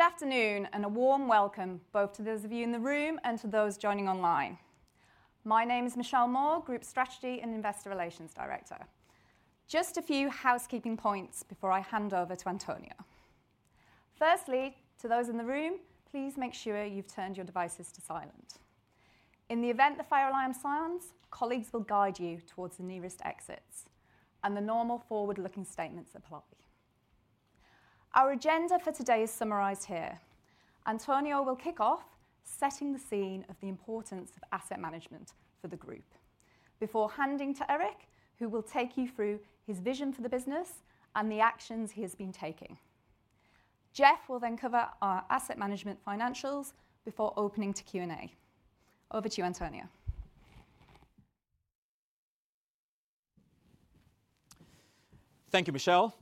Good afternoon and a warm welcome both to those of you in the room and to those joining online. My name is Michelle Moore, Group Strategy and Investor Relations Director. Just a few housekeeping points before I hand over to António. Firstly, to those in the room, please make sure you've turned your devices to silent. In the event the fire alarm sounds, colleagues will guide you towards the nearest exits, and the normal forward-looking statements apply. Our agenda for today is summarized here. António will kick off, setting the scene of the importance of Asset Management for the Group, before handing to Eric, who will take you through his vision for the business and the actions he has been taking. Jeff will then cover our Asset Management financials before opening to Q&A. Over to you, António. Thank you, Michelle.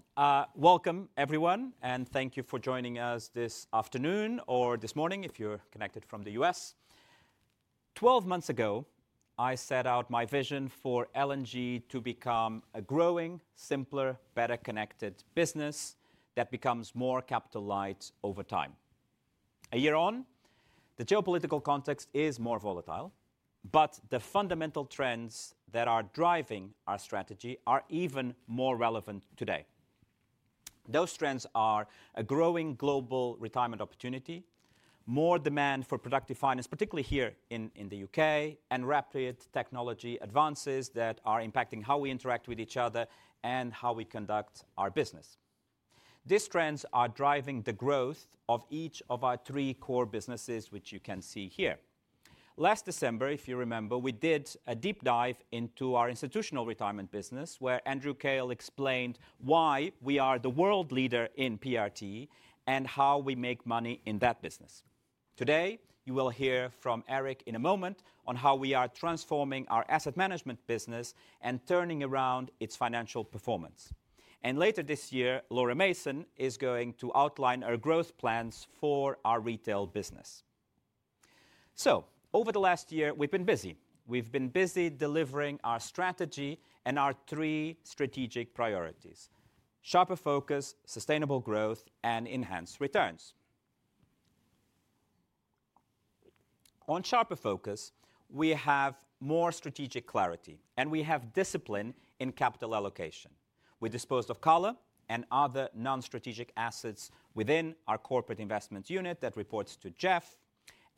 Welcome, everyone, and thank you for joining us this afternoon or this morning if you're connected from the U.S. Twelve months ago, I set out my vision for L&G to become a growing, simpler, better-connected business that becomes more capital-light over time. A year on, the geopolitical context is more volatile, but the fundamental trends that are driving our strategy are even more relevant today. Those trends are a growing global retirement opportunity, more demand for productive finance, particularly here in the U.K., and rapid technology advances that are impacting how we interact with each other and how we conduct our business. These trends are driving the growth of each of our three core businesses, which you can see here. Last December, if you remember, we did a deep dive into our institutional retirement business, where Andrew Kail explained why we are the world leader in PRT and how we make money in that business. Today, you will hear from Eric in a moment on how we are transforming our Asset Management business and turning around its financial performance. Later this year, Laura Mason is going to outline our growth plans for our retail business. Over the last year, we've been busy. We've been busy delivering our strategy and our three strategic priorities: Sharper Focus, Sustainable Growth, and Enhanced Returns. On Sharper Focus, we have more strategic clarity, and we have discipline in capital allocation. We disposed of Coller and other non-strategic assets within our corporate investment unit that reports to Jeff,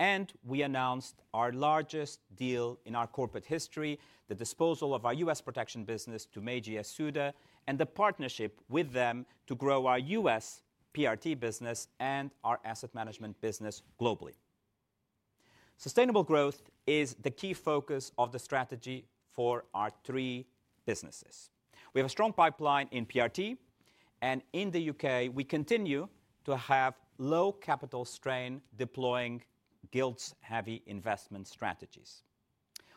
and we announced our largest deal in our corporate history, the disposal of our U.S. protection business to Meiji Yasuda, and the partnership with them to grow our U.S. PRT business and our Asset Management business globally. Sustainable growth is the key focus of the strategy for our three businesses. We have a strong pipeline in PRT, and in the U.K., we continue to have low capital strain deploying gilt-heavy investment strategies.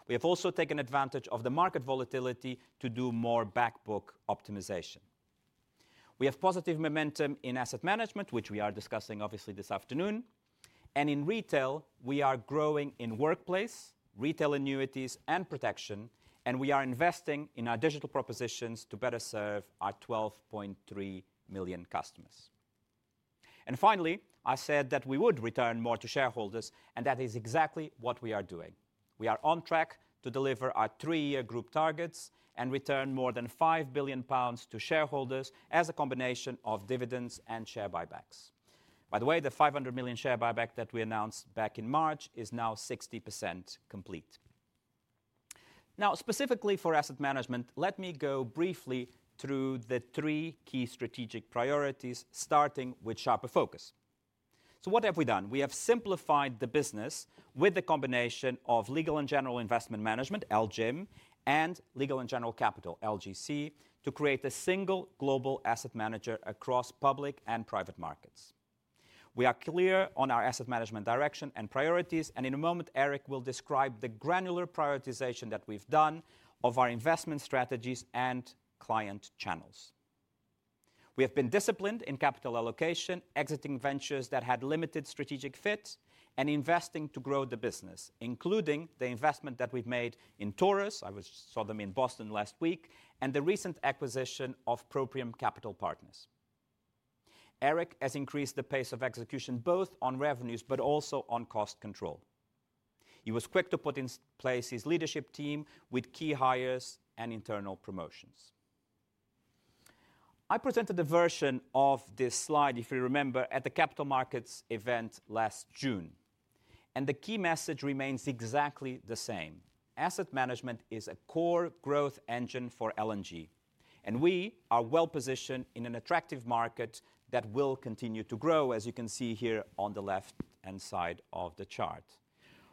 We have also taken advantage of the market volatility to do more back book optimization. We have positive momentum in Asset Management, which we are discussing, obviously, this afternoon. In retail, we are growing in workplace, retail annuities, and protection, and we are investing in our digital propositions to better serve our 12.3 million customers. Finally, I said that we would return more to shareholders, and that is exactly what we are doing. We are on track to deliver our three-year group targets and return more than 5 billion pounds to shareholders as a combination of dividends and share buybacks. By the way, the 500 million share buyback that we announced back in March is now 60% complete. Specifically for Asset Management, let me go briefly through the three key strategic priorities, starting with Sharper Focus. What have we done? We have simplified the business with a combination of Legal & General Investment Management, LGIM, and Legal & General Capital, LGC, to create a single global asset manager across public and private markets. We are clear on our Asset Management direction and priorities, and in a moment, Eric will describe the granular prioritization that we've done of our investment strategies and client channels. We have been disciplined in capital allocation, exiting ventures that had limited strategic fit, and investing to grow the business, including the investment that we've made in Taurus. I saw them in Boston last week, and the recent acquisition of Proprium Capital Partners. Eric has increased the pace of execution both on revenues but also on cost control. He was quick to put in place his Leadership team with key hires and internal promotions. I presented a version of this slide, if you remember, at the Capital Markets event last June, and the key message remains exactly the same: Asset Management is a core growth engine for L&G, and we are well-positioned in an attractive market that will continue to grow, as you can see here on the left-hand side of the chart.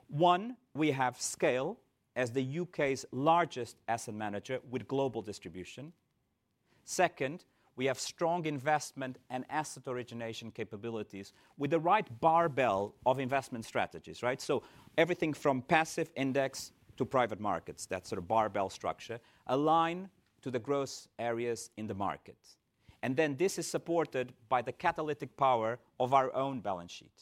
One, we have scale as the U.K.'s largest asset manager with global distribution. Second, we have strong investment and asset origination capabilities with the right barbell of investment strategies, right? Everything from passive index to private markets, that sort of barbell structure, align to the growth areas in the market. This is supported by the catalytic power of our own balance sheet.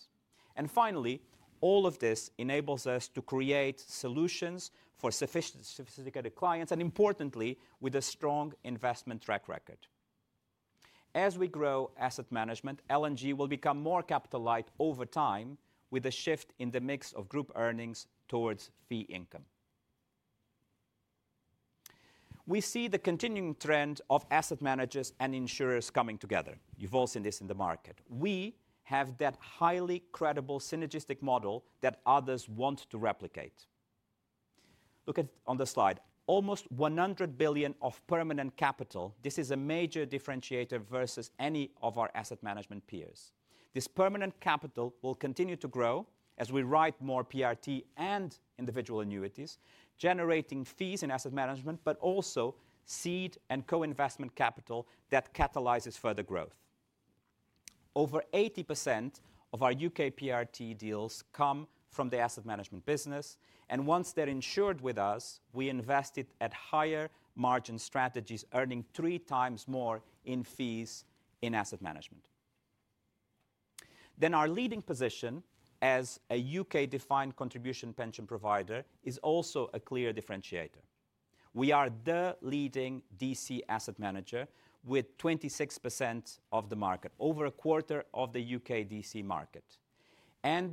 Finally, all of this enables us to create solutions for sophisticated clients and, importantly, with a strong investment track record. As we grow Asset Management, L&G will become more capital-light over time with a shift in the mix of group earnings towards fee income. We see the continuing trend of asset managers and insurers coming together. You have all seen this in the market. We have that highly credible synergistic model that others want to replicate. Look at on the slide, almost 100 billion of permanent capital. This is a major differentiator versus any of our Asset Management peers. This permanent capital will continue to grow as we write more PRT and individual annuities, generating fees in Asset Management, but also seed and co-investment capital that catalyzes further growth. Over 80% of our U.K. PRT deals come from the Asset Management business, and once they're insured with us, we invest it at higher margin strategies, earning 3x more in fees in Asset Management. Our leading position as a U.K.-defined contribution pension provider is also a clear differentiator. We are the leading DC Asset Manager with 26% of the market, over a quarter of the U.K. DC market.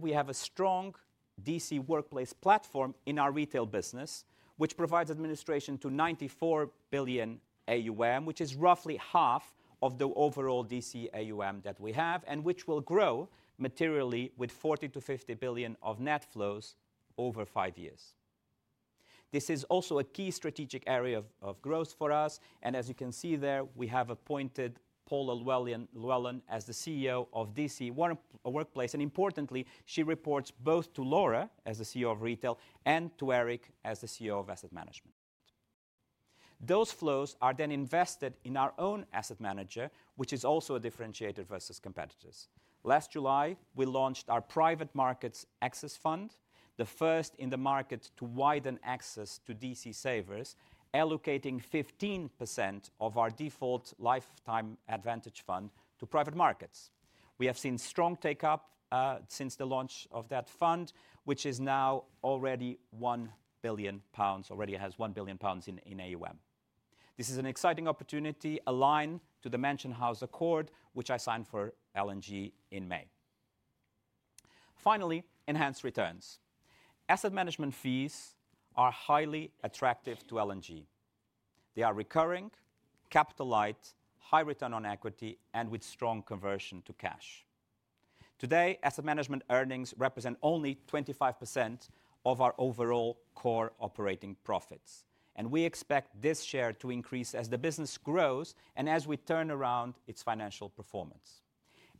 We have a strong DC workplace platform in our retail business, which provides administration to 94 billion AUM, which is roughly half of the overall DC AUM that we have and which will grow materially with 40-50 billion of net flows over five years. This is also a key strategic area of growth for us, and as you can see there, we have appointed Paula Llewellyn as the CEO of DC Workplace, and importantly, she reports both to Laura as the CEO of Retail and to Eric as the CEO of Asset Management. Those flows are then invested in our own asset manager, which is also a differentiator versus competitors. Last July, we launched our Private Markets Access Fund, the first in the market to widen access to DC savers, allocating 15% of our Default Lifetime Advantage Fund to private markets. We have seen strong take-up since the launch of that fund, which is now already 1 billion pounds; already has 1 billion pounds in AUM. This is an exciting opportunity aligned to the Mansion House Accord, which I signed for L&G in May. Finally, enhanced returns. Asset Management fees are highly attractive to L&G. They are recurring, capital-light, high return on equity, and with strong conversion to cash. Today, Asset Management earnings represent only 25% of our overall core operating profits, and we expect this share to increase as the business grows and as we turn around its financial performance.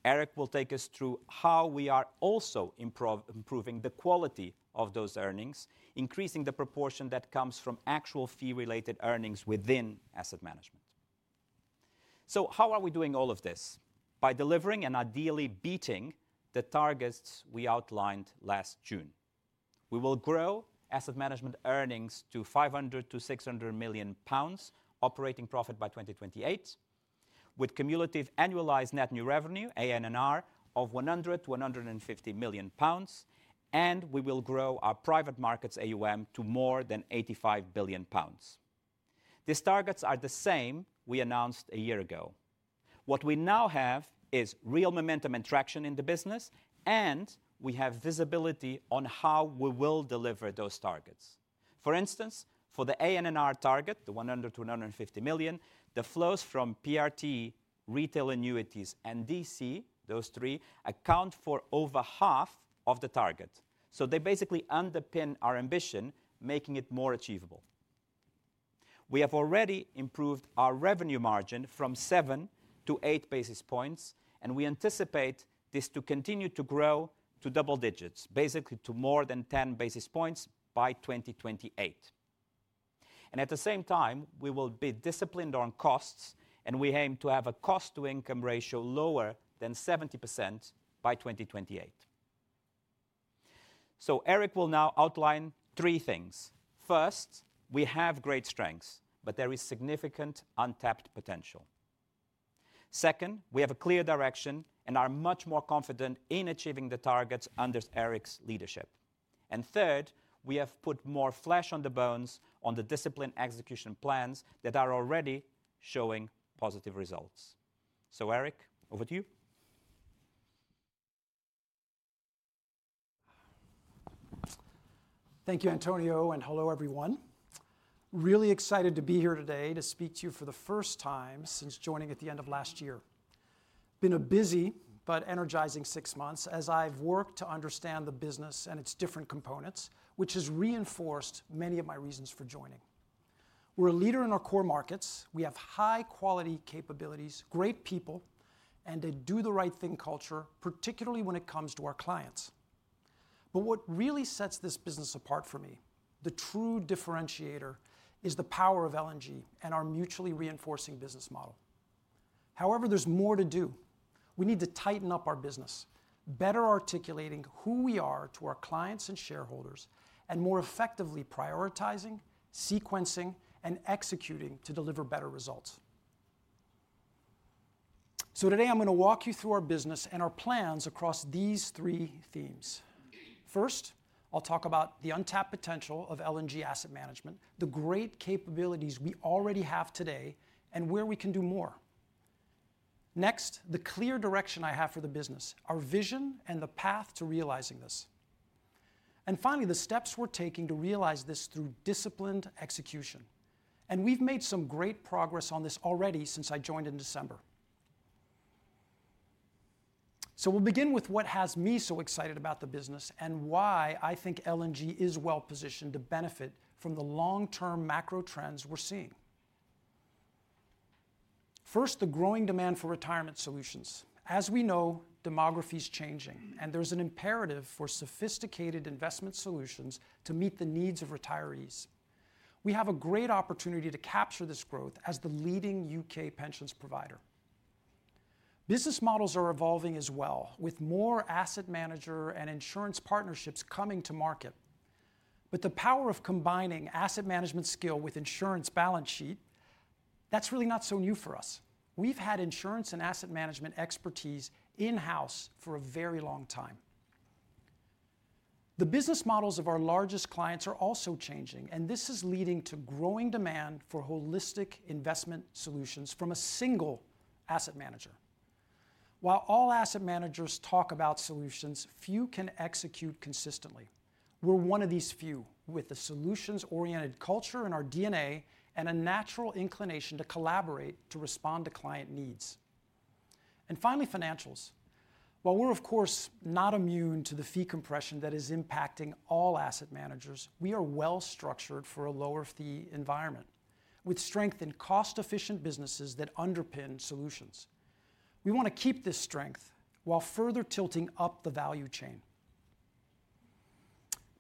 Eric will take us through how we are also improving the quality of those earnings, increasing the proportion that comes from actual fee-related earnings within Asset Management. How are we doing all of this? By delivering and ideally beating the targets we outlined last June. We will grow Asset Management earnings to 500 million-600 million pounds operating profit by 2028, with cumulative annualized net new revenue, ANNR, of 100 million-150 million pounds, and we will grow our private markets AUM to more than 85 billion pounds. These targets are the same we announced a year ago. What we now have is real momentum and traction in the business, and we have visibility on how we will deliver those targets. For instance, for the ANNR target, the 100 million-150 million, the flows from PRT, retail annuities, and DC, those three, account for over half of the target. They basically underpin our ambition, making it more achievable. We have already improved our revenue margin from 7-8 basis points, and we anticipate this to continue to grow to double digits, basically to more than 10 basis points by 2028. At the same time, we will be disciplined on costs, and we aim to have a cost-to-income ratio lower than 70% by 2028. Eric will now outline three things. First, we have great strengths, but there is significant untapped potential. Second, we have a clear direction and are much more confident in achieving the targets under Eric's leadership. Third, we have put more flesh on the bones on the discipline execution plans that are already showing positive results. Eric, over to you. Thank you, António, and hello, everyone. Really excited to be here today to speak to you for the first time since joining at the end of last year. It's been a busy but energizing six months as I've worked to understand the business and its different components, which has reinforced many of my reasons for joining. We're a leader in our core markets. We have high-quality capabilities, great people, and a do-the-right-thing culture, particularly when it comes to our clients. What really sets this business apart for me, the true differentiator, is the power of L&G and our mutually reinforcing business model. However, there's more to do. We need to tighten up our business, better articulating who we are to our clients and shareholders, and more effectively prioritizing, sequencing, and executing to deliver better results. Today, I'm going to walk you through our business and our plans across these three themes. First, I'll talk about the untapped potential of L&G Asset Management, the great capabilities we already have today, and where we can do more. Next, the clear direction I have for the business, our vision, and the path to realizing this. Finally, the steps we're taking to realize this through disciplined execution. We've made some great progress on this already since I joined in December. We'll begin with what has me so excited about the business and why I think L&G is well-positioned to benefit from the long-term macro trends we're seeing. First, the growing demand for retirement solutions. As we know, demography is changing, and there's an imperative for sophisticated investment solutions to meet the needs of retirees. We have a great opportunity to capture this growth as the leading U.K. pensions provider. Business models are evolving as well, with more asset manager and insurance partnerships coming to market. The power of combining Asset Management skill with insurance balance sheet, that's really not so new for us. We have had insurance and Asset Management expertise in-house for a very long time. The business models of our largest clients are also changing, and this is leading to growing demand for holistic investment solutions from a single asset manager. While all asset managers talk about solutions, few can execute consistently. We are one of these few with a solutions-oriented culture in our DNA and a natural inclination to collaborate to respond to client needs. Finally, financials. While we're, of course, not immune to the fee compression that is impacting all asset managers, we are well-structured for a lower fee environment with strength in cost-efficient businesses that underpin solutions. We want to keep this strength while further tilting up the value chain.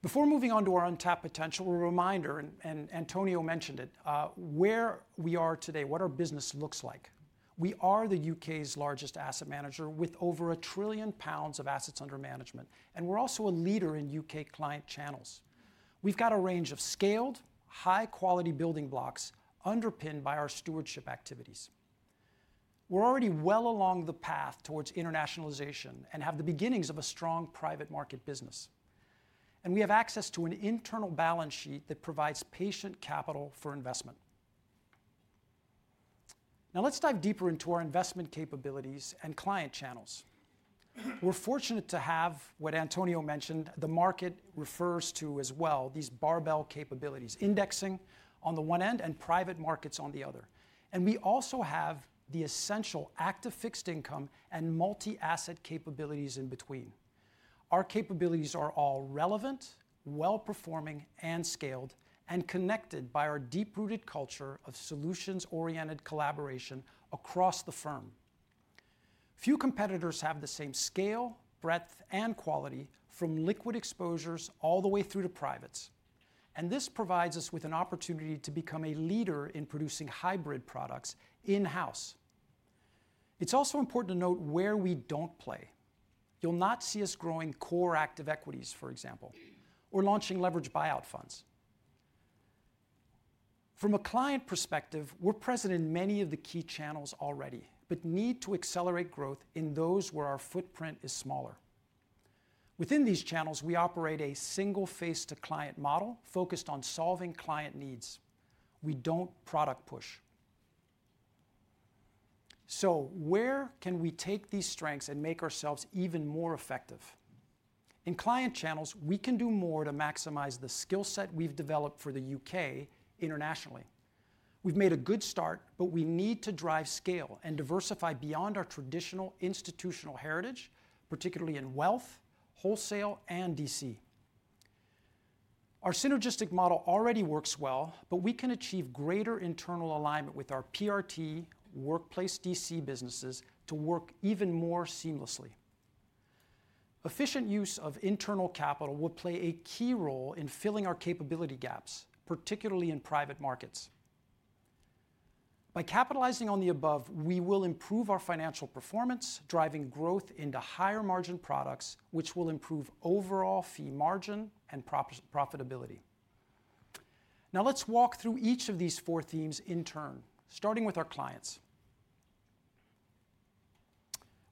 Before moving on to our untapped potential, a reminder, and António mentioned it, where we are today, what our business looks like. We are the U.K.'s largest asset manager with over 1 trillion pounds of assets under management, and we're also a leader in U.K. client channels. We've got a range of scaled, high-quality building blocks underpinned by our stewardship activities. We're already well along the path towards internationalization and have the beginnings of a strong private market business. We have access to an internal balance sheet that provides patient capital for investment. Now, let's dive deeper into our investment capabilities and client channels. We're fortunate to have what António mentioned, the market refers to as well, these barbell capabilities, indexing on the one end and private markets on the other. We also have the essential active fixed income and multi-asset capabilities in between. Our capabilities are all relevant, well-performing, and scaled, and connected by our deep-rooted culture of solutions-oriented collaboration across the firm. Few competitors have the same scale, breadth, and quality from liquid exposures all the way through to privates. This provides us with an opportunity to become a leader in producing hybrid products in-house. It's also important to note where we don't play. You'll not see us growing core active equities, for example, or launching leveraged buyout funds. From a client perspective, we're present in many of the key channels already, but need to accelerate growth in those where our footprint is smaller. Within these channels, we operate a single-faced-to-client model focused on solving client needs. We don't product push. Where can we take these strengths and make ourselves even more effective? In client channels, we can do more to maximize the skill set we've developed for the U.K. internationally. We've made a good start, but we need to drive scale and diversify beyond our traditional institutional heritage, particularly in wealth, wholesale, and DC. Our synergistic model already works well, but we can achieve greater internal alignment with our PRT workplace DC businesses to work even more seamlessly. Efficient use of Internal capital will play a key role in filling our capability gaps, particularly in private markets. By capitalizing on the above, we will improve our financial performance, driving growth into higher-margin products, which will improve overall fee margin and profitability. Now, let's walk through each of these four themes in turn, starting with our clients.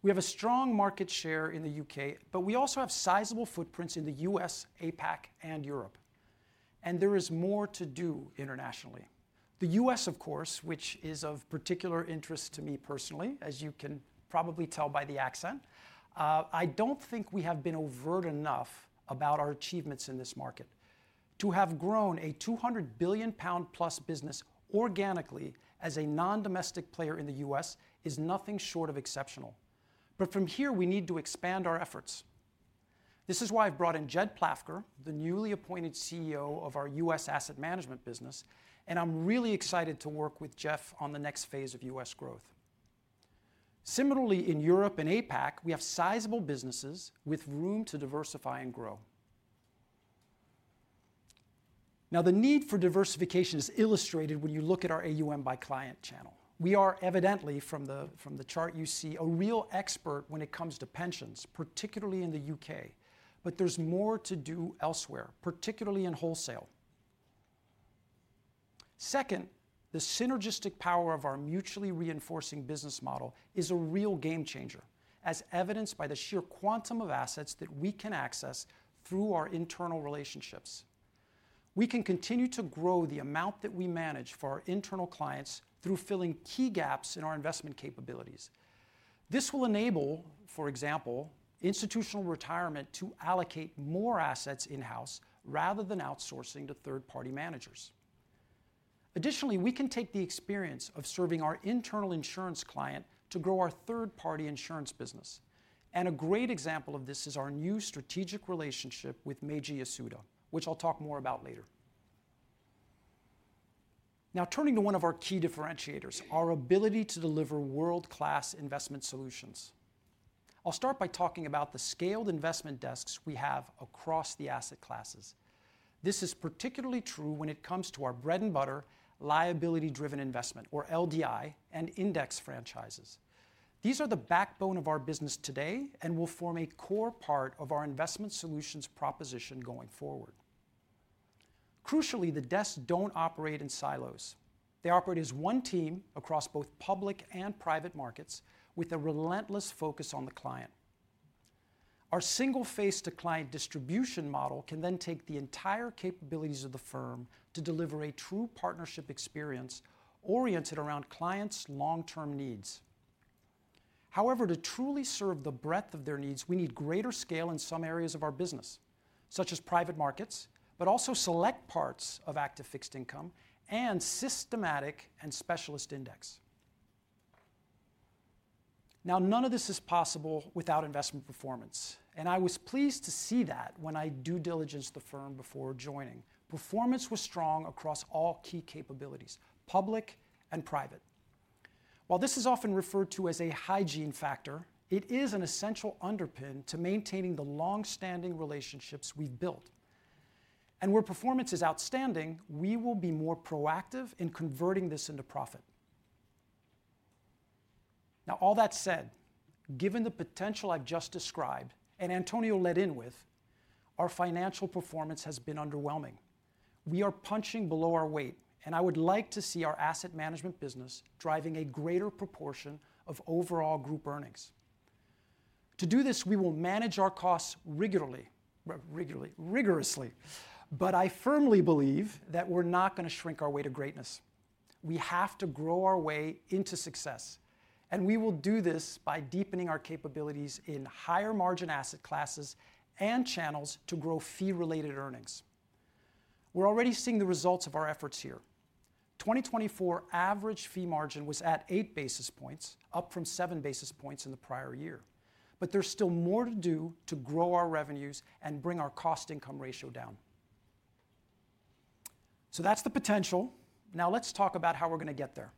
We have a strong market share in the U.K., but we also have sizable footprints in the U.S., APAC, and Europe. There is more to do internationally. The U.S., of course, which is of particular interest to me personally, as you can probably tell by the accent, I don't think we have been overt enough about our achievements in this market. To have grown a 200 billion pound+ business organically as a non-domestic player in the U.S. is nothing short of exceptional. From here, we need to expand our efforts. This is why I've brought in Jed Plafker, the newly appointed CEO of our U.S. Asset Management business, and I'm really excited to work with Jeff on the next phase of U.S. growth. Similarly, in Europe and APAC, we have sizable businesses with room to diversify and grow. Now, the need for diversification is illustrated when you look at our AUM by client channel. We are, evidently, from the chart you see, a real expert when it comes to pensions, particularly in the U.K. There is more to do elsewhere, particularly in wholesale. Second, the synergistic power of our mutually reinforcing business model is a real game changer, as evidenced by the sheer quantum of assets that we can access through our internal relationships. We can continue to grow the amount that we manage for our internal clients through filling key gaps in our investment capabilities. This will enable, for example, institutional retirement to allocate more assets in-house rather than outsourcing to third-party managers. Additionally, we can take the experience of serving our internal insurance client to grow our third-party insurance business. A great example of this is our new strategic relationship with Meiji Yasuda, which I'll talk more about later. Now, turning to one of our key differentiators, our ability to deliver world-class investment solutions. I'll start by talking about the scaled investment desks we have across the asset classes. This is particularly true when it comes to our bread-and-butter liability-driven investment, or LDI, and index franchises. These are the backbone of our business today and will form a core part of our investment solutions proposition going forward. Crucially, the desks do not operate in silos. They operate as one team across both public and private markets with a relentless focus on the client. Our single-face-to-client distribution model can then take the entire capabilities of the firm to deliver a true partnership experience oriented around clients' long-term needs. However, to truly serve the breadth of their needs, we need greater scale in some areas of our business, such as private markets, but also select parts of active fixed income and systematic and specialist index. None of this is possible without investment performance. I was pleased to see that when I due diligenced the firm before joining. Performance was strong across all key capabilities, public and private. While this is often referred to as a hygiene factor, it is an essential underpin to maintaining the long-standing relationships we've built. Where performance is outstanding, we will be more proactive in converting this into profit. All that said, given the potential I've just described and António led in with, our financial performance has been underwhelming. We are punching below our weight, and I would like to see our Asset Management business driving a greater proportion of overall group earnings. To do this, we will manage our costs rigorously, but I firmly believe that we're not going to shrink our way to greatness. We have to grow our way into success. We will do this by deepening our capabilities in higher-margin asset classes and channels to grow fee-related earnings. We're already seeing the results of our efforts here. The 2024 average fee margin was at 8 basis points, up from 7 basis points in the prior year. There is still more to do to grow our revenues and bring our cost-income ratio down. That is the potential. Now, let's talk about how we're going to get there.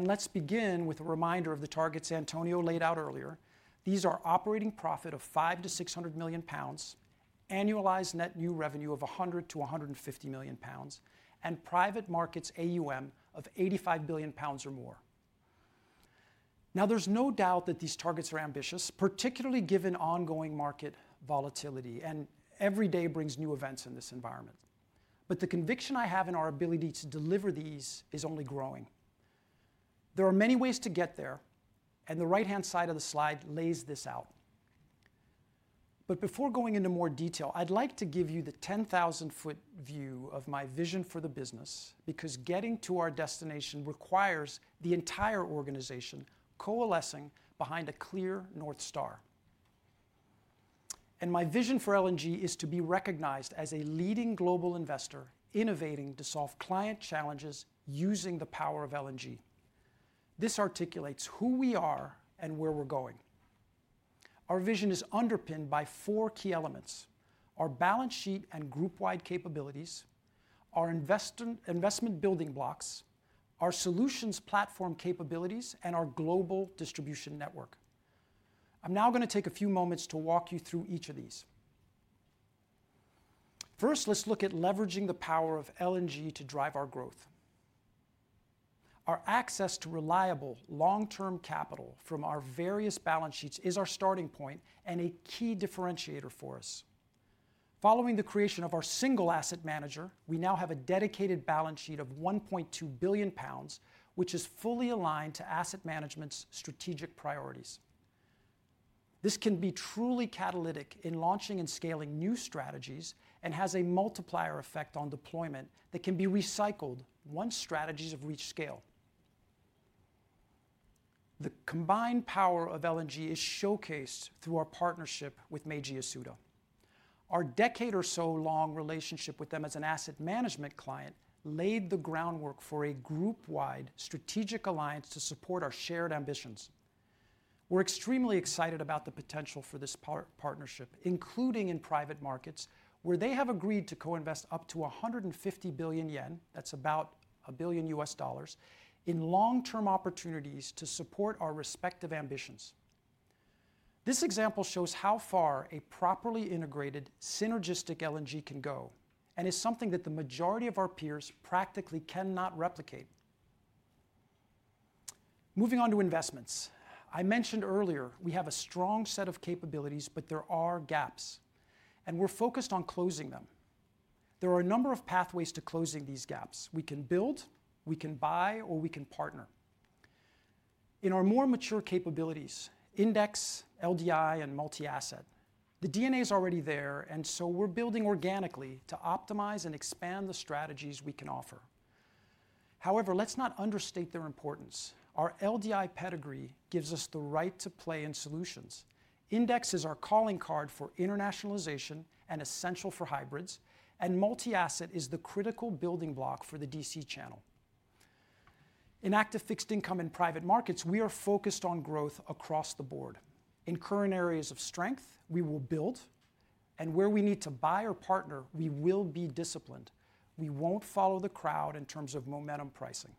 Let's begin with a reminder of the targets António laid out earlier. These are operating profit of 500 million-600 million pounds, annualized net new revenue of 100 million-150 million pounds, and private markets AUM of 85 billion pounds or more. There is no doubt that these targets are ambitious, particularly given ongoing market volatility, and every day brings new events in this environment. The conviction I have in our ability to deliver these is only growing. There are many ways to get there, and the right-hand side of the slide lays this out. Before going into more detail, I'd like to give you the 10,000-foot view of my vision for the business because getting to our destination requires the entire organization coalescing behind a clear North Star. My vision for L&G is to be recognized as a leading global investor innovating to solve client challenges using the power of L&G. This articulates who we are and where we're going. Our vision is underpinned by four key elements: our balance sheet and group-wide capabilities, our investment building blocks, our solutions platform capabilities, and our Global Distribution Network. I'm now going to take a few moments to walk you through each of these. First, let's look at leveraging the power of L&G to drive our growth. Our access to reliable long-term capital from our various balance sheets is our starting point and a key differentiator for us. Following the creation of our single asset manager, we now have a dedicated balance sheet of 1.2 billion pounds, which is fully aligned to Asset Management's strategic priorities. This can be truly catalytic in launching and scaling new strategies and has a multiplier effect on deployment that can be recycled once strategies have reached scale. The combined power of L&G is showcased through our partnership with Meiji Yasuda. Our decade or so long relationship with them as an Asset Management client laid the groundwork for a group-wide strategic alliance to support our shared ambitions. We're extremely excited about the potential for this partnership, including in private markets, where they have agreed to co-invest up to 150 billion yen—that's about $1 billion—in long-term opportunities to support our respective ambitions. This example shows how far a properly integrated synergistic L&G can go and is something that the majority of our peers practically cannot replicate. Moving on to investments. I mentioned earlier we have a strong set of capabilities, but there are gaps, and we're focused on closing them. There are a number of pathways to closing these gaps. We can build, we can buy, or we can partner. In our more mature capabilities, index, LDI, and multi-asset, the DNA is already there, and so we're building organically to optimize and expand the strategies we can offer. However, let's not understate their importance. Our LDI pedigree gives us the right to play in solutions. Index is our calling card for internationalization and essential for hybrids, and multi-asset is the critical building block for the DC channel. In active fixed income and private markets, we are focused on growth across the Board. In current areas of strength, we will build, and where we need to buy or partner, we will be disciplined. We will not follow the crowd in terms of momentum pricing.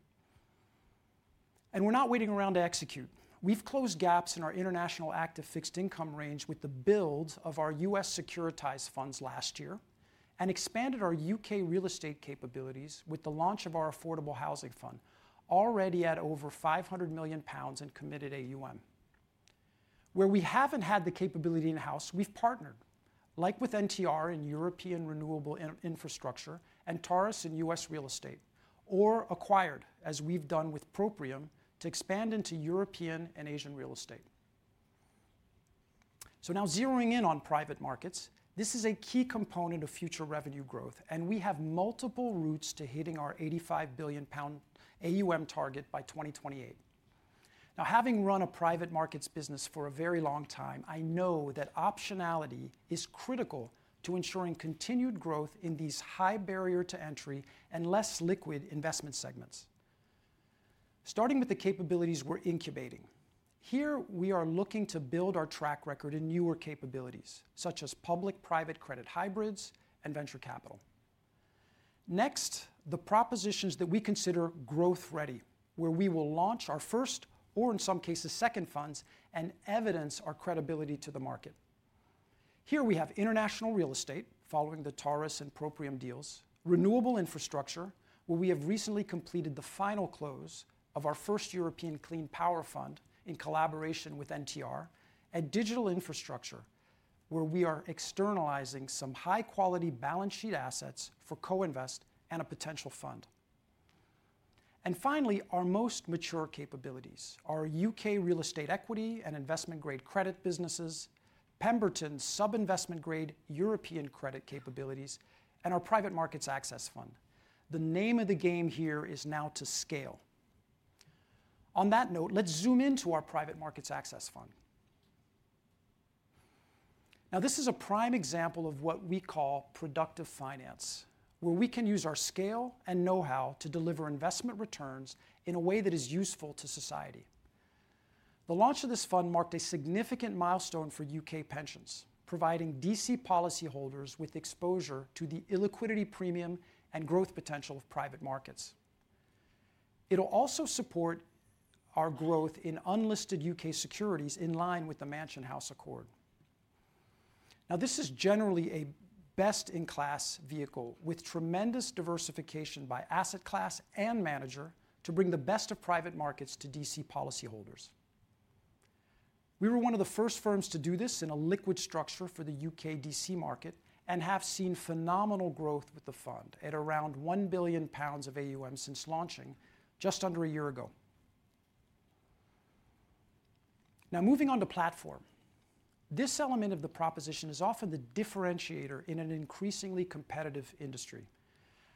We are not waiting around to execute. We've closed gaps in our international active fixed income range with the build of our U.S. securitized funds last year and expanded our U.K. real estate capabilities with the launch of our Affordable Housing Fund, already at over 500 million pounds and committed AUM. Where we haven't had the capability in-house, we've partnered, like with NTR in European Renewable Infrastructure and Taurus in U.S. real estate, or acquired, as we've done with Proprium, to expand into European and Asian real estate. Now, zeroing in on private markets, this is a key component of future revenue growth, and we have multiple routes to hitting our 85 billion pound AUM target by 2028. Now, having run a private markets business for a very long time, I know that optionality is critical to ensuring continued growth in these high barrier-to-entry and less liquid investment segments. Starting with the capabilities we are incubating, here we are looking to build our track record in newer capabilities, such as public-private credit hybrids and venture capital. Next, the propositions that we consider growth-ready, where we will launch our first, or in some cases, second funds, and evidence our credibility to the market. Here we have international real estate, following the Taurus and Proprium deals, renewable infrastructure, where we have recently completed the final close of our first European clean power fund in collaboration with NTR, and digital infrastructure, where we are externalizing some high-quality balance sheet assets for co-invest and a potential fund. Finally, our most mature capabilities, our U.K. real estate equity and investment-grade credit businesses, Pemberton sub-investment-grade European credit capabilities, and our private markets access fund. The name of the game here is now to scale. On that note, let us zoom into our private markets access fund. Now, this is a prime example of what we call productive finance, where we can use our scale and know-how to deliver investment returns in a way that is useful to society. The launch of this fund marked a significant milestone for U.K. pensions, providing DC policyholders with exposure to the illiquidity premium and growth potential of private markets. It'll also support our growth in unlisted U.K. securities in line with the Mansion House Accord. Now, this is generally a best-in-class vehicle with tremendous diversification by asset class and manager to bring the best of private markets to DC policyholders. We were one of the first firms to do this in a liquid structure for the U.K. DC market and have seen phenomenal growth with the fund at around 1 billion pounds of AUM since launching just under a year ago. Now, moving on to platform. This element of the proposition is often the differentiator in an increasingly competitive industry.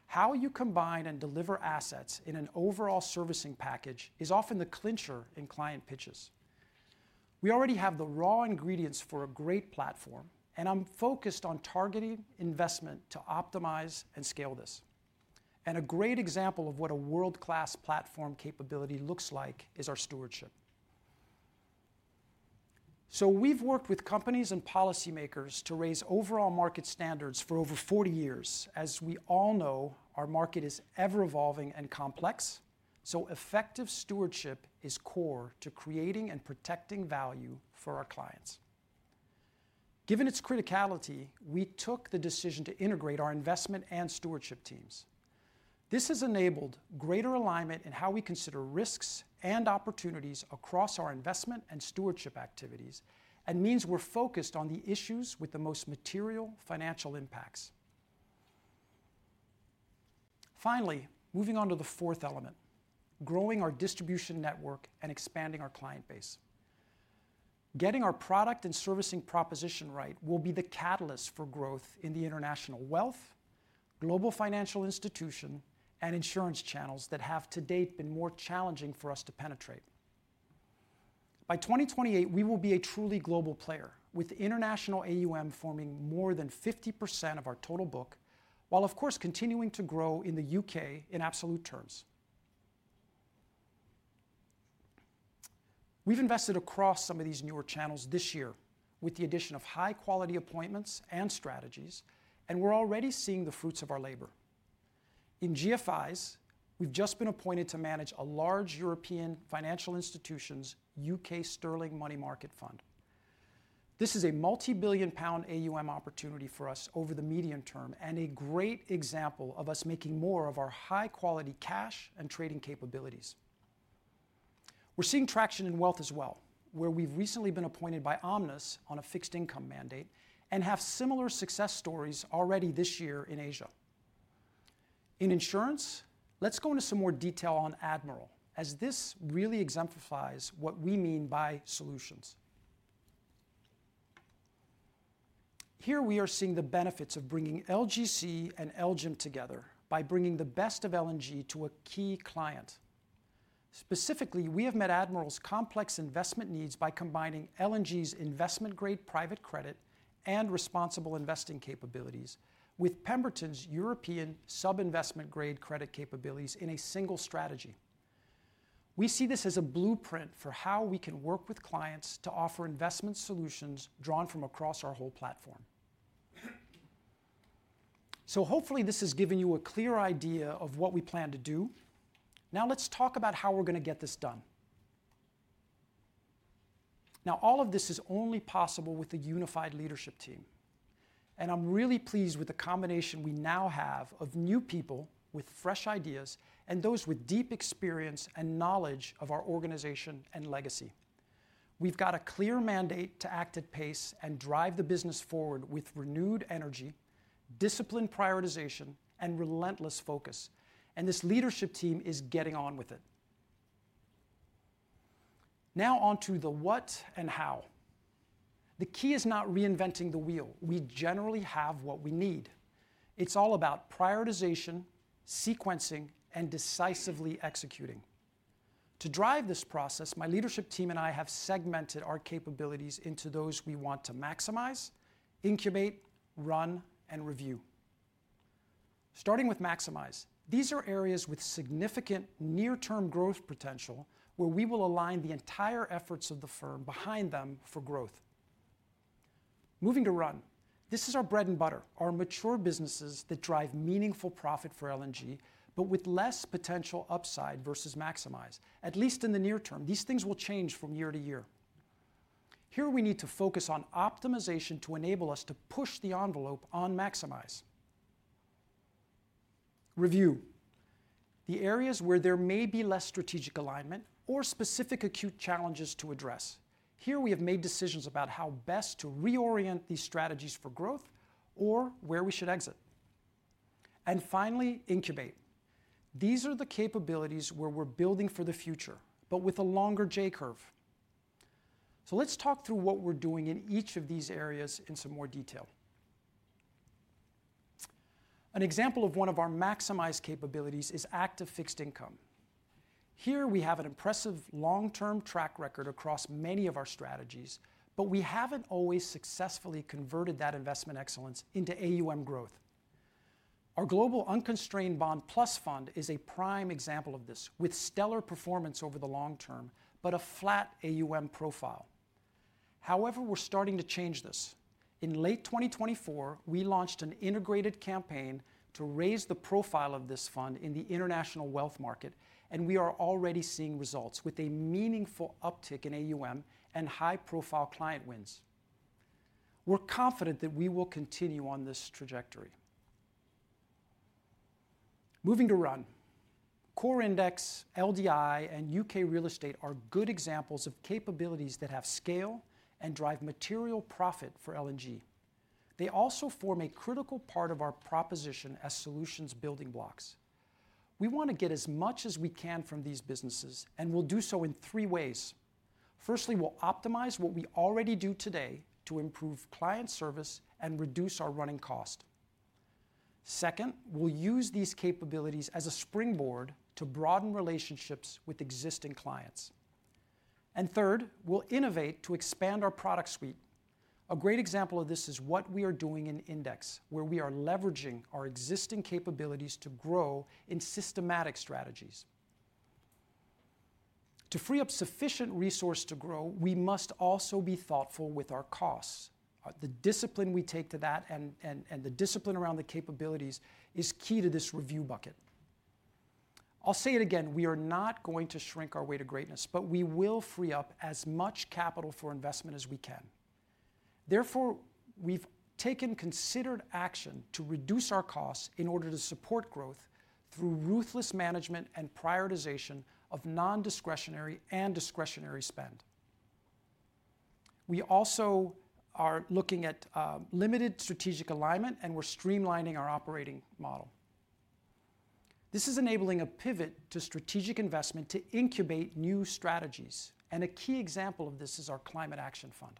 How you combine and deliver assets in an overall servicing package is often the clincher in client pitches. We already have the raw ingredients for a great platform, and I am focused on targeting investment to optimize and scale this. A great example of what a world-class platform capability looks like is our stewardship. We have worked with companies and policymakers to raise overall market standards for over 40 years. As we all know, our market is ever-evolving and complex, so effective stewardship is core to creating and protecting value for our clients. Given its criticality, we took the decision to integrate our investment and stewardship teams. This has enabled greater alignment in how we consider risks and opportunities across our investment and stewardship activities and means we're focused on the issues with the most material financial impacts. Finally, moving on to the fourth element, growing our distribution network and expanding our client base. Getting our product and servicing proposition right will be the catalyst for growth in the international wealth, global financial institution, and insurance channels that have to date been more challenging for us to penetrate. By 2028, we will be a truly global player, with international AUM forming more than 50% of our total book, while, of course, continuing to grow in the U.K. in absolute terms. We've invested across some of these newer channels this year with the addition of high-quality appointments and strategies, and we're already seeing the fruits of our labor. In GFIs, we've just been appointed to manage a large European financial institution's U.K. Sterling Money Market Fund. This is a multi-billion GBP AUM opportunity for us over the medium term and a great example of us making more of our high-quality cash and trading capabilities. We're seeing traction in wealth as well, where we've recently been appointed by Omnis on a fixed income mandate and have similar success stories already this year in Asia. In insurance, let's go into some more detail on Admiral, as this really exemplifies what we mean by solutions. Here we are seeing the benefits of bringing LGC and LGIM together by bringing the best of L&G to a key client. Specifically, we have met Admiral's complex investment needs by combining L&G's investment-grade private credit and responsible investing capabilities with Pemberton's European sub-investment-grade credit capabilities in a single strategy. We see this as a blueprint for how we can work with clients to offer investment solutions drawn from across our whole platform. Hopefully this has given you a clear idea of what we plan to do. Now, let's talk about how we're going to get this done. All of this is only possible with a unified leadership team. I'm really pleased with the combination we now have of new people with fresh ideas and those with deep experience and knowledge of our organization and legacy. We've got a clear mandate to act at pace and drive the business forward with renewed energy, disciplined prioritization, and relentless focus. This leadership team is getting on with it. Now on to the what and how. The key is not reinventing the wheel. We generally have what we need. It's all about prioritization, sequencing, and decisively executing. To drive this process, my Leadership team and I have segmented our capabilities into those we want to maximize, incubate, run, and review. Starting with maximize, these are areas with significant near-term growth potential where we will align the entire efforts of the firm behind them for growth. Moving to run, this is our bread and butter, our mature businesses that drive meaningful profit for L&G, but with less potential upside versus maximize, at least in the near term. These things will change from year-to-year. Here we need to focus on optimization to enable us to push the envelope on maximize. Review, the areas where there may be less strategic alignment or specific acute challenges to address. Here we have made decisions about how best to reorient these strategies for growth or where we should exit. And finally, incubate. These are the capabilities where we're building for the future, but with a longer J curve. Let's talk through what we're doing in each of these areas in some more detail. An example of one of our maximized capabilities is active fixed income. Here we have an impressive long-term track record across many of our strategies, but we haven't always successfully converted that investment excellence into AUM growth. Our Global Unconstrained Bond Plus Fund is a prime example of this with stellar performance over the long-term, but a flat AUM profile. However, we're starting to change this. In late 2024, we launched an integrated campain to raise the profile of this fund in the International Wealth Market, and we are already seeing results with a meaningful uptick in AUM and high-profile client wins. We're confident that we will continue on this trajectory. Moving to run, core index, LDI, and U.K. real estate are good examples of capabilities that have scale and drive material profit for L&G. They also form a critical part of our proposition as solutions building blocks. We want to get as much as we can from these businesses, and we will do so in three ways. Firstly, we will optimize what we already do today to improve client service and reduce our running cost. Second, we will use these capabilities as a springboard to broaden relationships with existing clients. Third, we will innovate to expand our product suite. A great example of this is what we are doing in index, where we are leveraging our existing capabilities to grow in systematic strategies. To free up sufficient resource to grow, we must also be thoughtful with our costs. The discipline we take to that and the discipline around the capabilities is key to this review bucket. I'll say it again, we are not going to shrink our way to greatness, but we will free up as much capital for investment as we can. Therefore, we've taken considered action to reduce our costs in order to support growth through ruthless management and prioritization of non-discretionary and discretionary spend. We also are looking at limited strategic alignment, and we're streamlining our operating model. This is enabling a pivot to strategic investment to incubate new strategies, and a key example of this is our Climate Action Fund.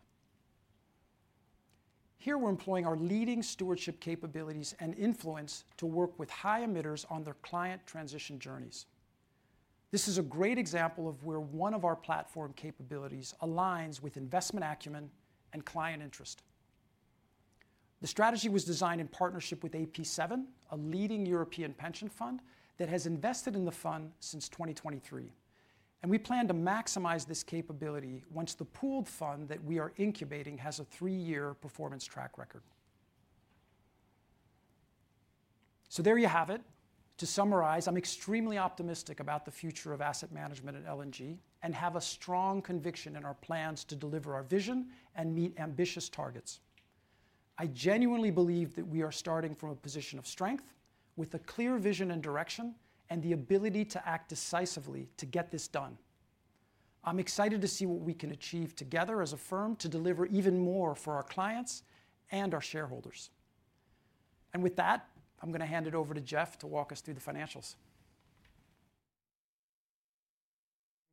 Here we're employing our leading stewardship capabilities and influence to work with high emitters on their client transition journeys. This is a great example of where one of our platform capabilities aligns with investment acumen and client interest. The strategy was designed in partnership with AP7, a leading European pension fund that has invested in the fund since 2023. We plan to maximize this capability once the pooled fund that we are incubating has a three-year performance track record. There you have it. To summarize, I'm extremely optimistic about the future of Asset Management at L&G and have a strong conviction in our plans to deliver our vision and meet ambitious targets. I genuinely believe that we are starting from a position of strength with a clear vision and direction and the ability to act decisively to get this done. I'm excited to see what we can achieve together as a firm to deliver even more for our clients and our shareholders. With that, I'm going to hand it over to Jeff to walk us through the financials.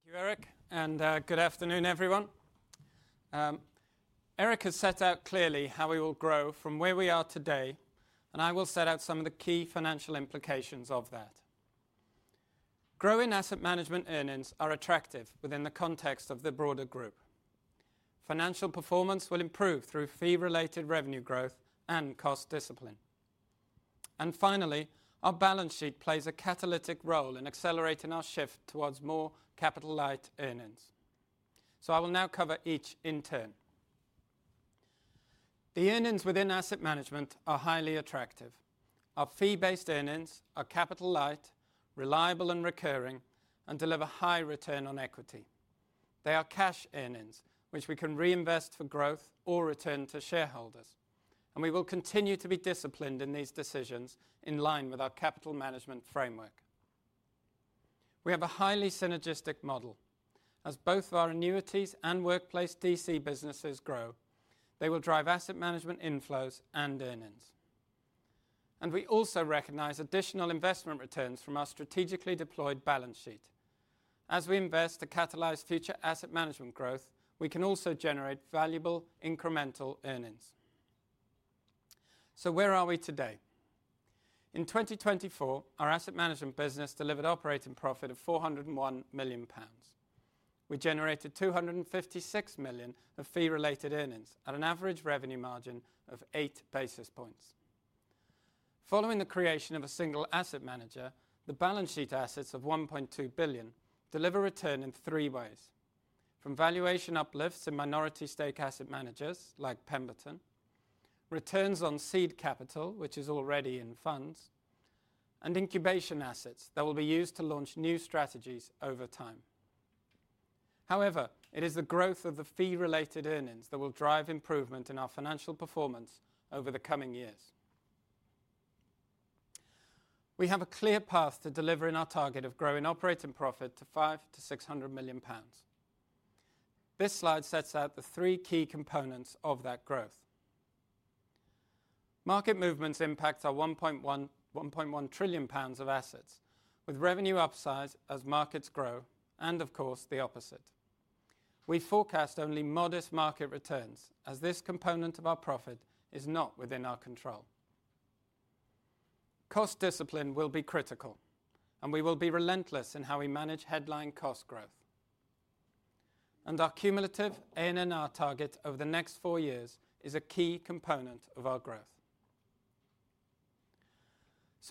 Thank you, Eric, and good afternoon, everyone. Eric has set out clearly how we will grow from where we are today, and I will set out some of the key financial implications of that. Growing Asset Management earnings are attractive within the context of the broader group. Financial performance will improve through fee-related revenue growth and cost discipline. Finally, our balance sheet plays a catalytic role in accelerating our shift towards more capital-light earnings. I will now cover each in turn. The earnings within Asset Management are highly attractive. Our fee-based earnings are capital-light, reliable and recurring, and deliver high return on equity. They are cash earnings, which we can reinvest for growth or return to shareholders. We will continue to be disciplined in these decisions in line with our capital management framework. We have a highly synergistic model. As both of our annuities and workplace DC businesses grow, they will drive Asset Management inflows and earnings. We also recognize additional investment returns from our strategically deployed balance sheet. As we invest to catalyze future Asset Management growth, we can also generate valuable incremental earnings. Where are we today? In 2024, our Asset Management business delivered operating profit of 401 million pounds. We generated 256 million of fee-related earnings at an average revenue margin of eight basis points. Following the creation of a single asset manager, the balance sheet assets of 1.2 billion deliver return in three ways: from valuation uplifts in minority stake asset managers like Pemberton, returns on seed capital, which is already in funds, and incubation assets that will be used to launch new strategies over time. However, it is the growth of the fee-related earnings that will drive improvement in our financial performance over the coming years. We have a clear path to delivering our target of growing operating profit to 500 million-600 million pounds. This slide sets out the three key components of that growth. Market movements impact our 1.1 trillion pounds of assets, with revenue upside as markets grow and, of course, the opposite. We forecast only modest market returns as this component of our profit is not within our control. Cost discipline will be critical, and we will be relentless in how we manage headline cost growth. Our cumulative ANNR target over the next four years is a key component of our growth.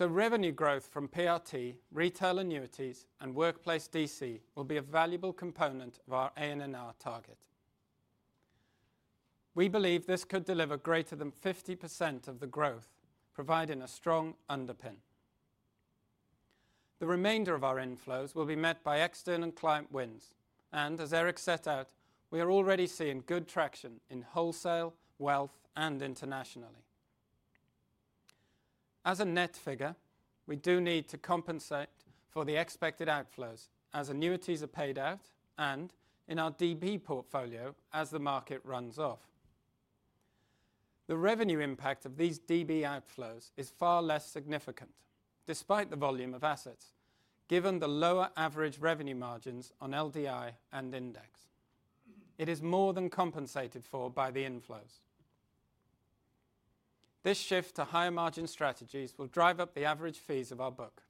Revenue growth from PRT, retail annuities, and workplace DC will be a valuable component of our ANNR target. We believe this could deliver greater than 50% of the growth, providing a strong underpin. The remainder of our inflows will be met by external client wins. As Eric set out, we are already seeing good traction in wholesale, wealth, and internationally. As a net figure, we do need to compensate for the expected outflows as annuities are paid out and in our DB portfolio as the market runs off. The revenue impact of these DB outflows is far less significant despite the volume of assets, given the lower average revenue margins on LDI and index. It is more than compensated for by the inflows. This shift to higher margin strategies will drive up the average fees of our book.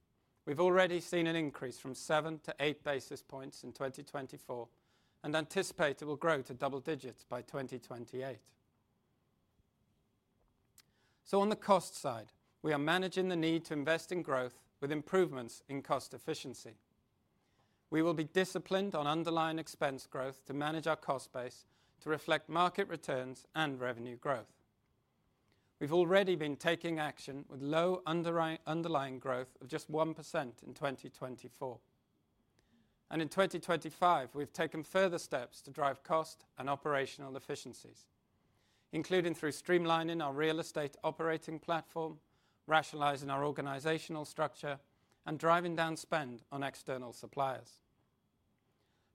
We have already seen an increase from 7 to 8 basis points in 2024 and anticipate it will grow to double digits by 2028. On the cost side, we are managing the need to invest in growth with improvements in cost efficiency. We will be disciplined on underlying expense growth to manage our cost base to reflect market returns and revenue growth. We have already been taking action with low underlying growth of just 1% in 2024. In 2025, we have taken further steps to drive cost and operational efficiencies, including through streamlining our real estate operating platform, rationalizing our organizational structure, and driving down spend on external suppliers.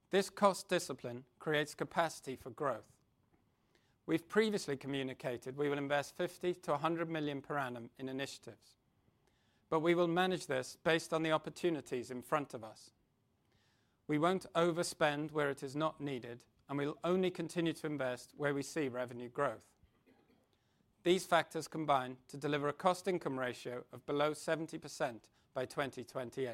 This cost discipline creates capacity for growth. We have previously communicated we will invest 50 million-100 million per annum in initiatives, but we will manage this based on the opportunities in front of us. We will not overspend where it is not needed, and we will only continue to invest where we see revenue growth. These factors combine to deliver a cost-to-income ratio of below 70% by 2028.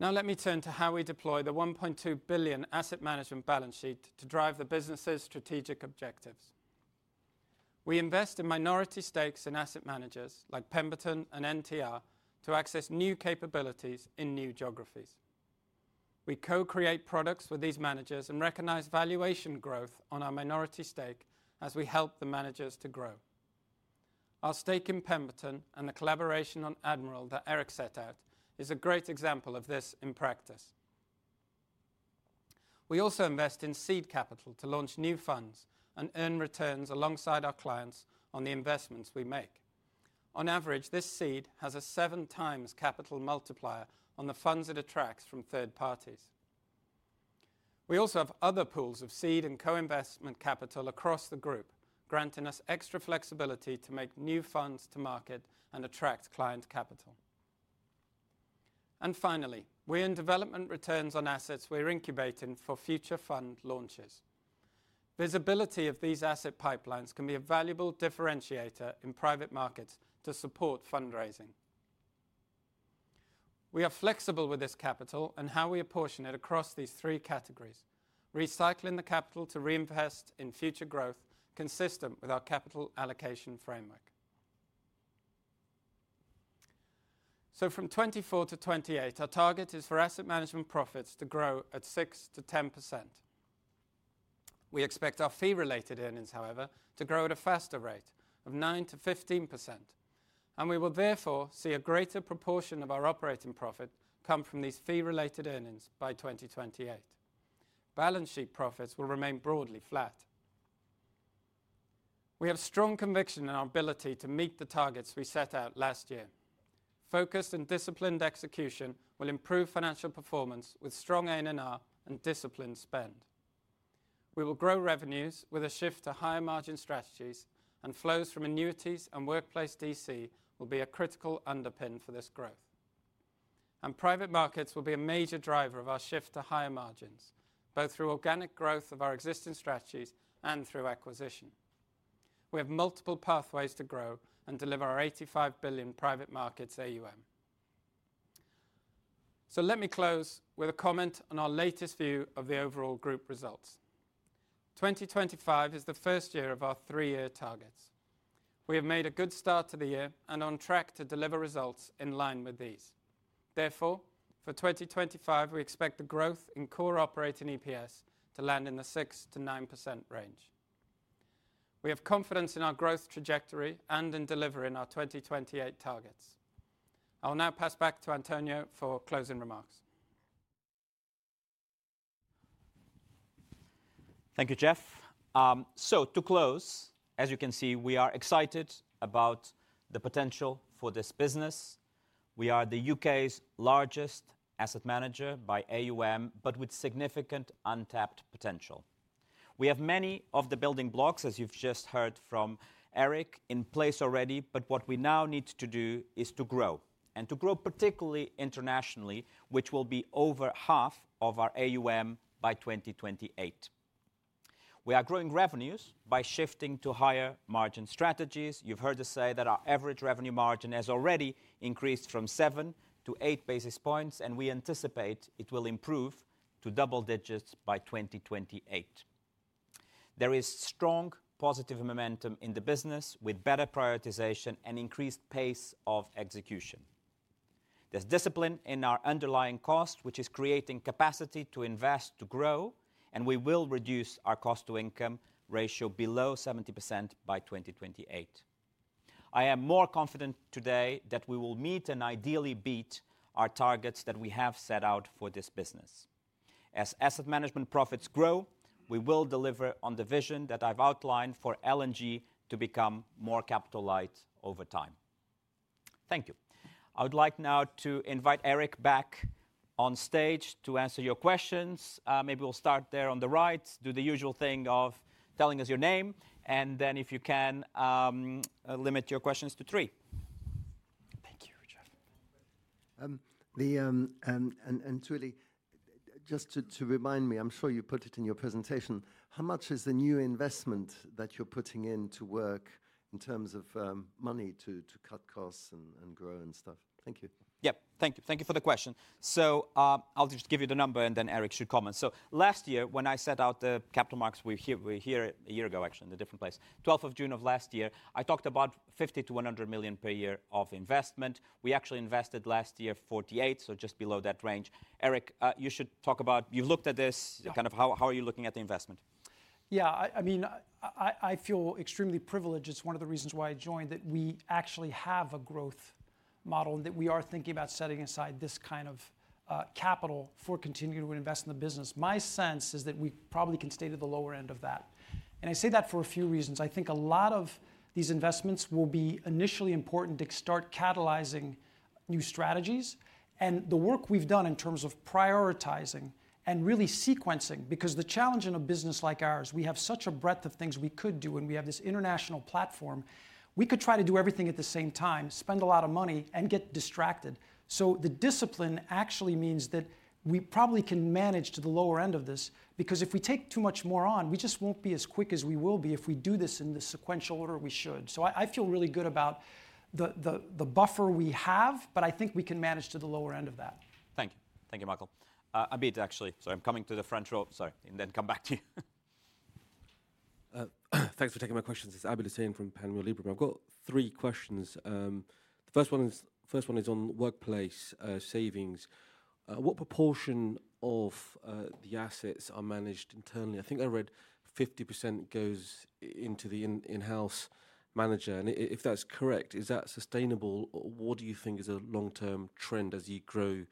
Now let me turn to how we deploy the 1.2 billion Asset Management balance sheet to drive the business's strategic objectives. We invest in minority stakes in asset managers like Pemberton and NTR to access new capabilities in new geographies. We co-create products with these managers and recognize valuation growth on our minority stake as we help the managers to grow. Our stake in Pemberton and the collaboration on Admiral that Eric set out is a great example of this in practice. We also invest in seed capital to launch new funds and earn returns alongside our clients on the investments we make. On average, this seed has a seven times capital multiplier on the funds it attracts from third parties. We also have other pools of seed and co-investment capital across the group, granting us extra flexibility to make new funds to market and attract client capital. Finally, we're in development returns on assets we're incubating for future fund launches. Visibility of these asset pipelines can be a valuable differentiator in private markets to support fundraising. We are flexible with this capital and how we apportion it across these three categories, recycling the capital to reinvest in future growth consistent with our capital allocation framework. From 2024 to 2028, our target is for Asset Management profits to grow at 6-10%. We expect our fee-related earnings, however, to grow at a faster rate of 9-15%, and we will therefore see a greater proportion of our operating profit come from these fee-related earnings by 2028. Balance sheet profits will remain broadly flat. We have strong conviction in our ability to meet the targets we set out last year. Focused and disciplined execution will improve financial performance with strong ANNR and disciplined spend. We will grow revenues with a shift to higher margin strategies, and flows from annuities and workplace DC will be a critical underpin for this growth. Private markets will be a major driver of our shift to higher margins, both through organic growth of our existing strategies and through acquisition. We have multiple pathways to grow and deliver our 85 billion private markets AUM. Let me close with a comment on our latest view of the overall group results. 2025 is the first year of our three-year targets. We have made a good start to the year and are on track to deliver results in line with these. Therefore, for 2025, we expect the growth in core operating EPS to land in the 6-9% range. We have confidence in our growth trajectory and in delivering our 2028 targets. I'll now pass back to António for closing remarks. Thank you, Jeff. To close, as you can see, we are excited about the potential for this business. We are the U.K.'s largest asset manager by AUM, but with significant untapped potential. We have many of the building blocks, as you've just heard from Eric, in place already, but what we now need to do is to grow and to grow particularly internationally, which will be over half of our AUM by 2028. We are growing revenues by shifting to higher margin strategies. You've heard us say that our average revenue margin has already increased from seven to eight basis points, and we anticipate it will improve to double digits by 2028. There is strong positive momentum in the business with better prioritization and increased pace of execution. There is discipline in our underlying cost, which is creating capacity to invest to grow, and we will reduce our cost-to-income ratio below 70% by 2028. I am more confident today that we will meet and ideally beat our targets that we have set out for this business. As Asset Management profits grow, we will deliver on the vision that I have outlined for L&G to become more capital-light over time. Thank you. I would like now to invite Eric back on stage to answer your questions. Maybe we'll start there on the right, do the usual thing of telling us your name, and then if you can limit your questions to three. Thank you, Jeff. And truly, just to remind me, I'm sure you put it in your presentation, how much is the new investment that you're putting in to work in terms of money to cut costs and grow and stuff? Thank you. Yeah, thank you. Thank you for the question. I'll just give you the number, and then Eric should comment. Last year, when I set out the capital marks, we were here a year ago, actually in a different place, 12th of June of last year, I talked about 50 million-100 million per year of investment. We actually invested last year 48 million, so just below that range. Eric, you should talk about, you've looked at this, kind of how are you looking at the investment? Yeah, I mean, I feel extremely privileged. It's one of the reasons why I joined that we actually have a growth model and that we are thinking about setting aside this kind of capital for continuing to invest in the business. My sense is that we probably can stay to the lower end of that. I say that for a few reasons. I think a lot of these investments will be initially important to start catalyzing new strategies and the work we've done in terms of prioritizing and really sequencing, because the challenge in a business like ours, we have such a breadth of things we could do, and we have this international platform. We could try to do everything at the same time, spend a lot of money, and get distracted. The discipline actually means that we probably can manage to the lower end of this, because if we take too much more on, we just won't be as quick as we will be if we do this in the sequential order we should. I feel really good about the buffer we have, but I think we can manage to the lower end of that. Thank you. Thank you, Michael. Abid, actually, sorry, I'm coming to the front row, sorry, and then come back to you. Thanks for taking my questions. It's Abid Hussain from Panmure Liberum. I've got three questions. The first one is on workplace savings. What proportion of the assets are managed internally? I think I read 50% goes into the in-house manager. If that's correct, is that sustainable? What do you think is a long-term trend as you grow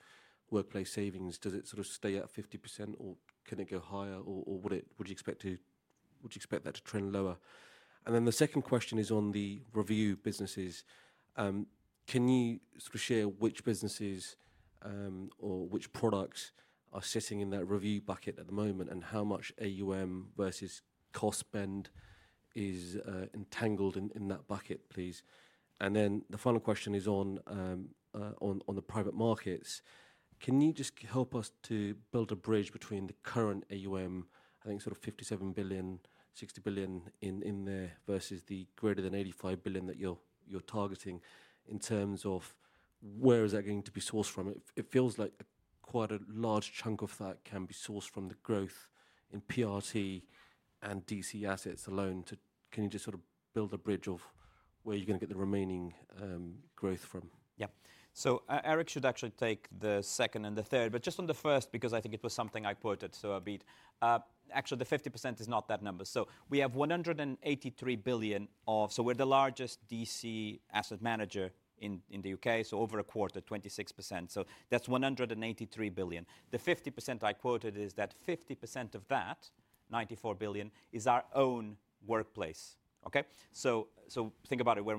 workplace savings? Does it sort of stay at 50%, or can it go higher, or would you expect that to trend lower? The second question is on the review businesses. Can you sort of share which businesses or which products are sitting in that review bucket at the moment, and how much AUM versus cost spend is entangled in that bucket, please? The final question is on the private markets. Can you just help us to build a bridge between the current AUM, I think sort of 57 billion-60 billion in there versus the greater than 85 billion that you're targeting in terms of where is that going to be sourced from? It feels like quite a large chunk of that can be sourced from the growth in PRT and DC assets alone. Can you just sort of build a bridge of where you're going to get the remaining growth from? Yeah. Eric should actually take the second and the third, but just on the first, because I think it was something I quoted, so Abid. Actually, the 50% is not that number. We have 183 billion of, so we're the largest DC asset manager in the U.K., so over a quarter, 26%. That's 183 billion. The 50% I quoted is that 50% of that, 94 billion, is our own workplace. Okay? Think about it, we're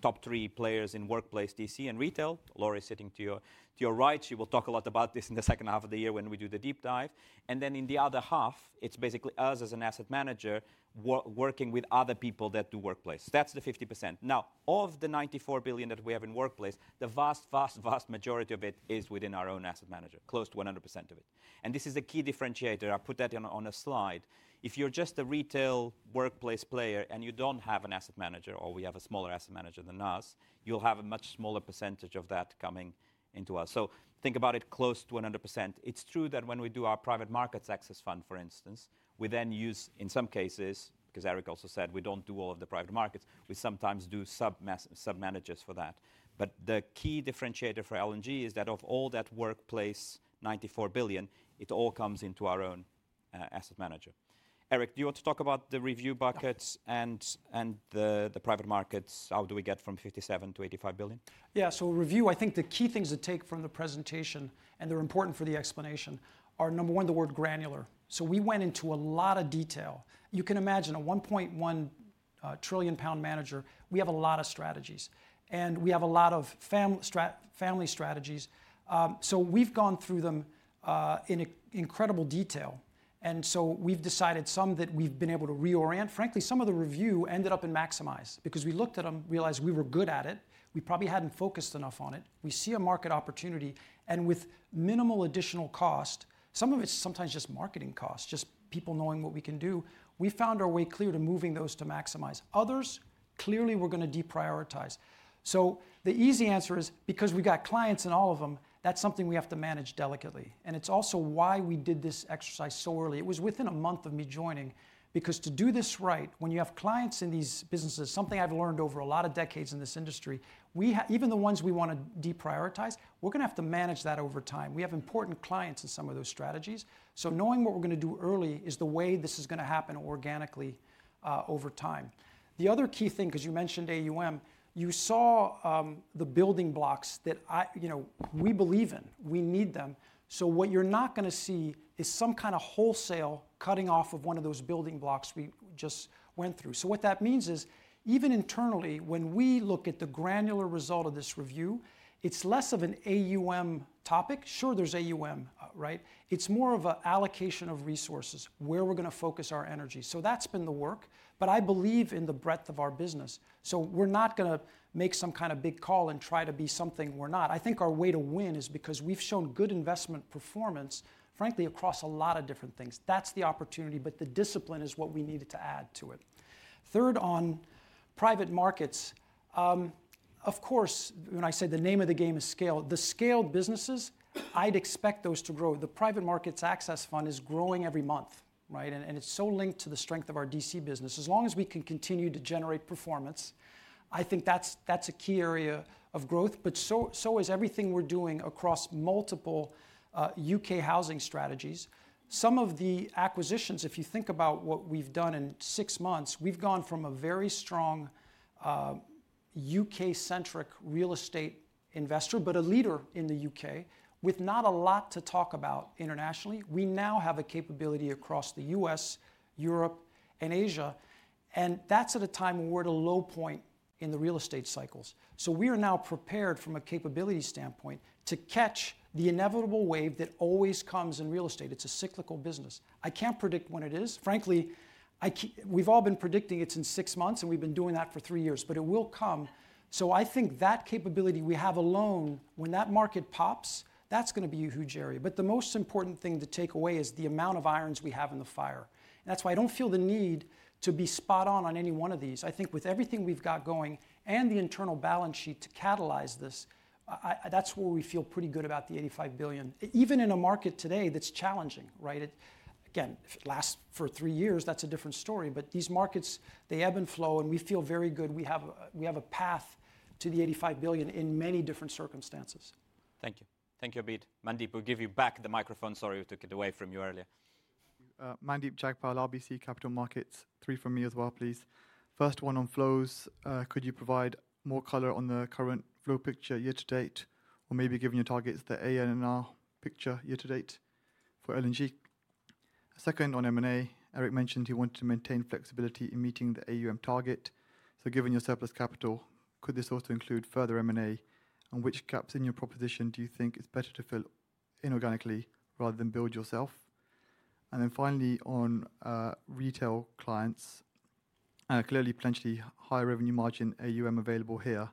top three players in workplace DC and retail. Laura is sitting to your right. She will talk a lot about this in the second half of the year when we do the deep dive. In the other half, it is basically us as an asset manager working with other people that do workplace. That is the 50%. Now, of the 94 billion that we have in workplace, the vast, vast, vast majority of it is within our own asset manager, close to 100% of it. This is a key differentiator. I put that on a slide. If you are just a retail workplace player and you do not have an asset manager, or you have a smaller asset manager than us, you will have a much smaller percentage of that coming into us. Think about it close to 100%. It's true that when we do our Private Markets Access Fund, for instance, we then use, in some cases, because Eric also said we do not do all of the private markets, we sometimes do sub-managers for that. The key differentiator for L&G is that of all that workplace 94 billion, it all comes into our own asset manager. Eric, do you want to talk about the review buckets and the private markets? How do we get from 57 billion to 85 billion? Yeah, review, I think the key things to take from the presentation, and they are important for the explanation, are number one, the word granular. We went into a lot of detail. You can imagine a 1.1 trillion pound manager, we have a lot of strategies, and we have a lot of family strategies. We have gone through them in incredible detail. We have decided some that we have been able to reorient. Frankly, some of the review ended up in Maximize, because we looked at them, realized we were good at it. We probably had not focused enough on it. We see a market opportunity, and with minimal additional cost, some of it is sometimes just marketing costs, just people knowing what we can do. We found our way clear to moving those to Maximize. Others, clearly we are going to deprioritize. The easy answer is, because we have clients in all of them, that is something we have to manage delicately. It is also why we did this exercise so early. It was within a month of me joining, because to do this right, when you have clients in these businesses, something I've learned over a lot of decades in this industry, even the ones we want to deprioritize, we're going to have to manage that over time. We have important clients in some of those strategies. Knowing what we're going to do early is the way this is going to happen organically over time. The other key thing, because you mentioned AUM, you saw the building blocks that we believe in. We need them. What you're not going to see is some kind of wholesale cutting off of one of those building blocks we just went through. What that means is, even internally, when we look at the granular result of this review, it's less of an AUM topic. Sure, there's AUM, right? It's more of an allocation of resources, where we're going to focus our energy. That's been the work, but I believe in the breadth of our business. We're not going to make some kind of big call and try to be something we're not. I think our way to win is because we've shown good investment performance, frankly, across a lot of different things. That's the opportunity, but the discipline is what we needed to add to it. Third, on private markets, of course, when I say the name of the game is scale, the scaled businesses, I'd expect those to grow. The Private Markets Access Fund is growing every month, right? It's so linked to the strength of our DC business. As long as we can continue to generate performance, I think that's a key area of growth, but so is everything we're doing across multiple U.K. housing strategies. Some of the acquisitions, if you think about what we've done in six months, we've gone from a very strong U.K.-centric real estate investor, but a leader in the U.K., with not a lot to talk about internationally. We now have a capability across the U.S., Europe, and Asia, and that's at a time where we're at a low point in the real estate cycles. We are now prepared from a capability standpoint to catch the inevitable wave that always comes in real estate. It's a cyclical business. I can't predict when it is. Frankly, we've all been predicting it's in six months, and we've been doing that for three years, but it will come. I think that capability we have alone, when that market pops, that's going to be a huge area. The most important thing to take away is the amount of irons we have in the fire. That's why I don't feel the need to be spot on on any one of these. I think with everything we've got going and the internal balance sheet to catalyze this, that's where we feel pretty good abou the 85 billion, even in a market today that's challenging, right? Again, if it lasts for three years, that's a different story, but these markets, they ebb and flow, and we feel very good. We have a path to the 85 billion in many different circumstances. Thank you. Thank you, Abid. Mandeep, we'll give you back the microphone. Sorry, we took it away from you earlier. Mandeep Jagpal, RBC Capital Markets. Three from me as well, please. First one on flows. Could you provide more color on the current flow picture year to date, or maybe give your targets, the ANR picture year to date for L&G? Second, on M&A, Eric mentioned he wanted to maintain flexibility in meeting the AUM target. Given your surplus capital, could this also include further M&A? Which gaps in your proposition do you think it is better to fill inorganically rather than build yourself? Finally, on retail clients, clearly potentially higher revenue margin, AUM available here.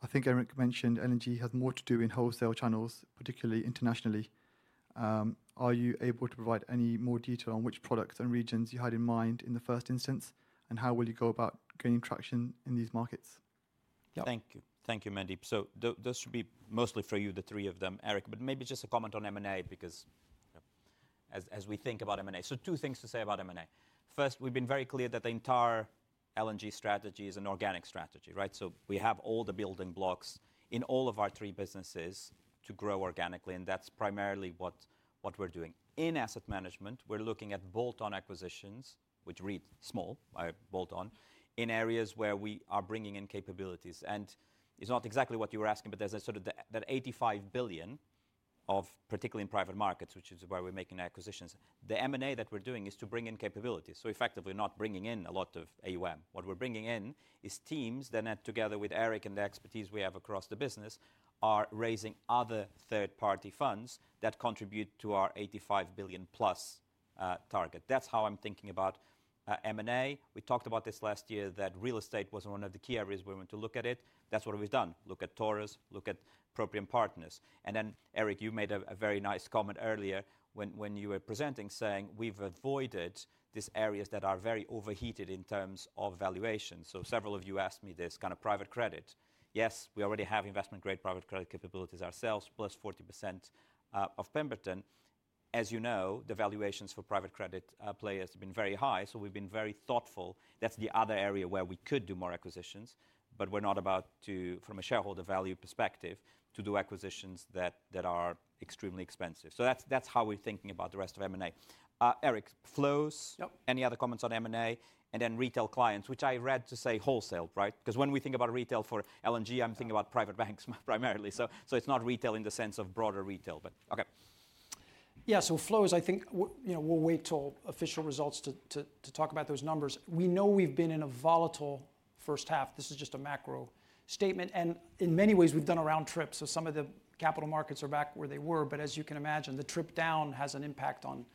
I think Eric mentioned L&G has more to do in wholesale channels, particularly internationally. Are you able to provide any more detail on which products and regions you had in mind in the first instance, and how will you go about gaining traction in these markets? Thank you. Thank you, Mandeep. Those should be mostly for you, the three of them, Eric. Maybe just a comment on M&A, because as we think about M&A, two things to say about M&A. First, we've been very clear that the entire L&G strategy is an organic strategy, right? We have all the building blocks in all of our three businesses to grow organically, and that's primarily what we're doing. In Asset Management, we're looking at bolt-on acquisitions, which read small by bolt-on, in areas where we are bringing in capabilities. It's not exactly what you were asking, but there's sort of that 85 billion, particularly in private markets, which is where we're making acquisitions. The M&A that we're doing is to bring in capabilities. Effectively, we're not bringing in a lot of AUM. What we're bringing in is teams that, together with Eric and the expertise we have across the business, are raising other third-party funds that contribute to our 85 billion+ target. That's how I'm thinking about M&A. We talked about this last year, that real estate was one of the key areas we want to look at. That's what we've done. Look at Taurus, look at Proprium Partners. Eric, you made a very nice comment earlier when you were presenting, saying we've avoided these areas that are very overheated in terms of valuation. Several of you asked me this kind of private credit. Yes, we already have investment-grade private credit capabilities ourselves, +40% of Pemberton. As you know, the valuations for private credit players have been very high, so we've been very thoughtful. That's the other area where we could do more acquisitions, but we're not about to, from a shareholder value perspective, to do acquisitions that are extremely expensive. That's how we're thinking about the rest of M&A. Eric, flows, any other comments on M&A? Then retail clients, which I read to say wholesale, right? Because when we think about retail for L&G, I'm thinking about private banks primarily. It's not retail in the sense of broader retail, but okay. Yeah, flows, I think we'll wait till official results to talk about those numbers. We know we've been in a volatile first half. This is just a macro statement. In many ways, we've done a round trip. Some of the capital markets are back where they were, but as you can imagine, the trip down has an impact on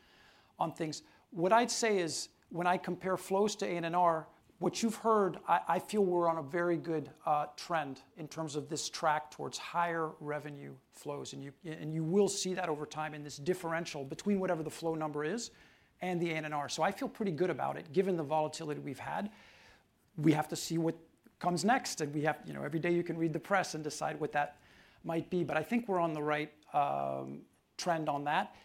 things. What I'd say is, when I compare flows to ANR, what you've heard, I feel we're on a very good trend in terms of this track towards higher revenue flows. You will see that over time in this differential between whatever the flow number is and the ANR. I feel pretty good about it, given the volatility we've had. We have to see what comes next. Every day you can read the press and decide what that might be. I think we're on the right trend on that.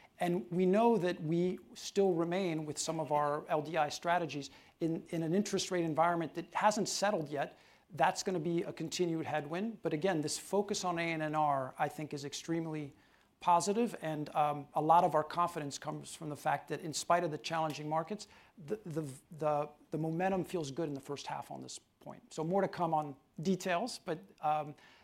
We know that we still remain with some of our LDI strategies in an interest rate environment that hasn't settled yet. That's going to be a continued headwind. Again, this focus on ANR, I think, is extremely positive. A lot of our confidence comes from the fact that in spite of the challenging markets, the momentum feels good in the first half on this point. More to come on details, but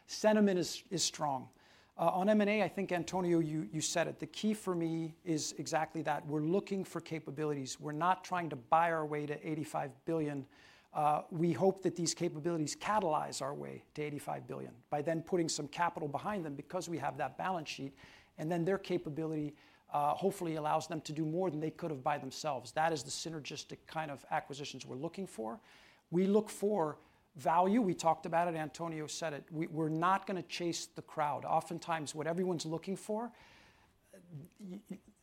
sentiment is strong. On M&A, I think, António, you said it. The key for me is exactly that. We are looking for capabilities. We are not trying to buy our way to 85 billion. We hope that these capabilities catalyze our way to 85 billion by then putting some capital behind them because we have that balance sheet. Their capability hopefully allows them to do more than they could have by themselves. That is the synergistic kind of acquisitions we are looking for. We look for value. We talked about it. António said it. We are not going to chase the crowd. Oftentimes, what everyone's looking for,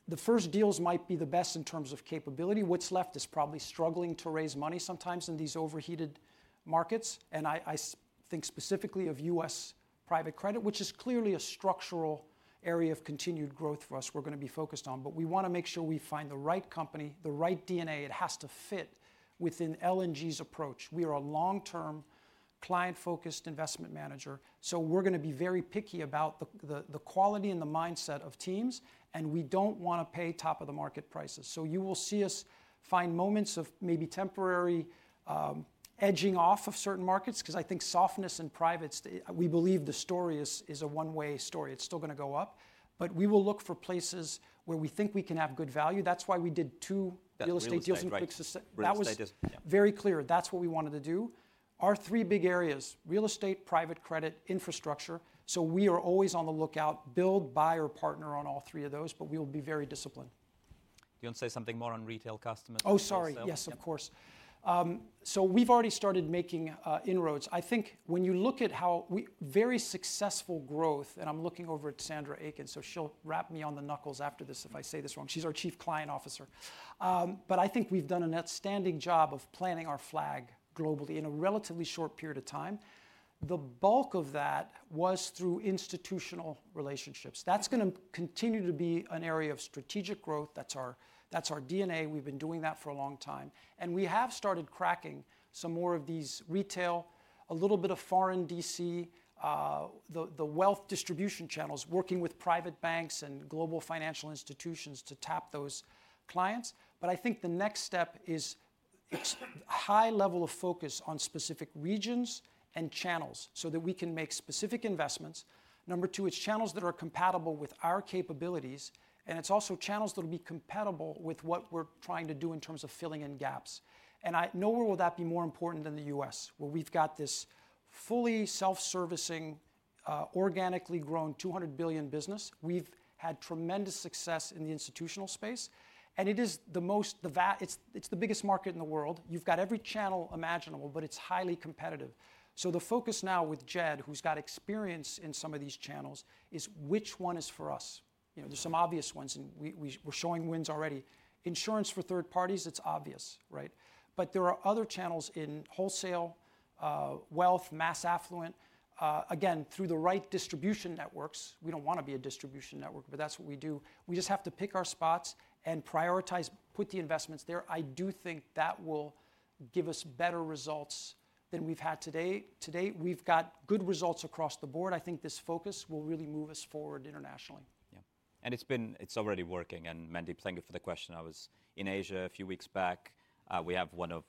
the first deals might be the best in terms of capability. What's left is probably struggling to raise money sometimes in these overheated markets. I think specifically of U.S. private credit, which is clearly a structural area of continued growth for us we're going to be focused on. We want to make sure we find the right company, the right DNA. It has to fit within L&G's approach. We are a long-term client-focused investment manager. We are going to be very picky about the quality and the mindset of teams. We do not want to pay top-of-the-market prices. You will see us find moments of maybe temporary edging off of certain markets, because I think softness in privates, we believe the story is a one-way story. It is still going to go up. We will look for places where we think we can have good value. That is why we did two real estate deals in quick succession. That was very clear. That is what we wanted to do. Our three big areas, real estate, private credit, infrastructure. We are always on the lookout, build, buy, or partner on all three of those, but we will be very disciplined. Do you want to say something more on retail customers? Oh, sorry. Yes, of course. We have already started making inroads. I think when you look at how very successful growth, and I am looking over at Sandra Aitken, so she will wrap me on the knuckles after this if I say this wrong. She is our Chief Client Officer. I think we have done an outstanding job of planting our flag globally in a relatively short period of time. The bulk of that was through institutional relationships. That's going to continue to be an area of strategic growth. That's our DNA. We've been doing that for a long time. We have started cracking some more of these retail, a little bit of foreign DC, the wealth distribution channels, working with private banks and global financial institutions to tap those clients. I think the next step is a high level of focus on specific regions and channels so that we can make specific investments. Number two, it's channels that are compatible with our capabilities. It's also channels that will be compatible with what we're trying to do in terms of filling in gaps. Nowhere will that be more important than the U.S., where we've got this fully self-servicing, organically grown 200 billion business. We've had tremendous success in the institutional space. It is the most, it's the biggest market in the world. You've got every channel imaginable, but it's highly competitive. The focus now with Jed, who's got experience in some of these channels, is which one is for us. There are some obvious ones, and we're showing wins already. Insurance for third parties, it's obvious, right? There are other channels in wholesale, wealth, mass affluent. Again, through the right distribution networks, we don't want to be a distribution network, but that's what we do. We just have to pick our spots and prioritize, put the investments there. I do think that will give us better results than we've had today. We've got good results across the board. I think this focus will really move us forward internationally. Yeah. It's been already working. Mandeep, thank you for the question. I was in Asia a few weeks back. We have one of,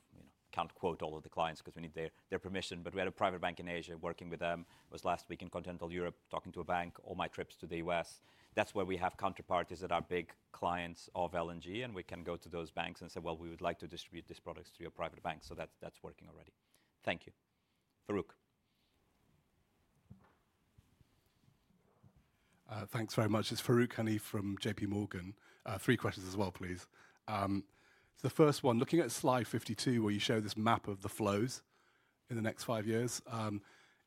can't quote all of the clients because we need their permission, but we had a private bank in Asia working with them. It was last week in continental Europe, talking to a bank, all my trips to the U.S. That's where we have counterparties that are big clients of L&G. We can go to those banks and say, well, we would like to distribute these products to your private bank. That's working already. Thank you. Farooq. Thanksvery much. It's Farooq Hanif from JPMorgan. Three questions as well, please. The first one, looking at slide 52, where you show this map of the flows in the next five years,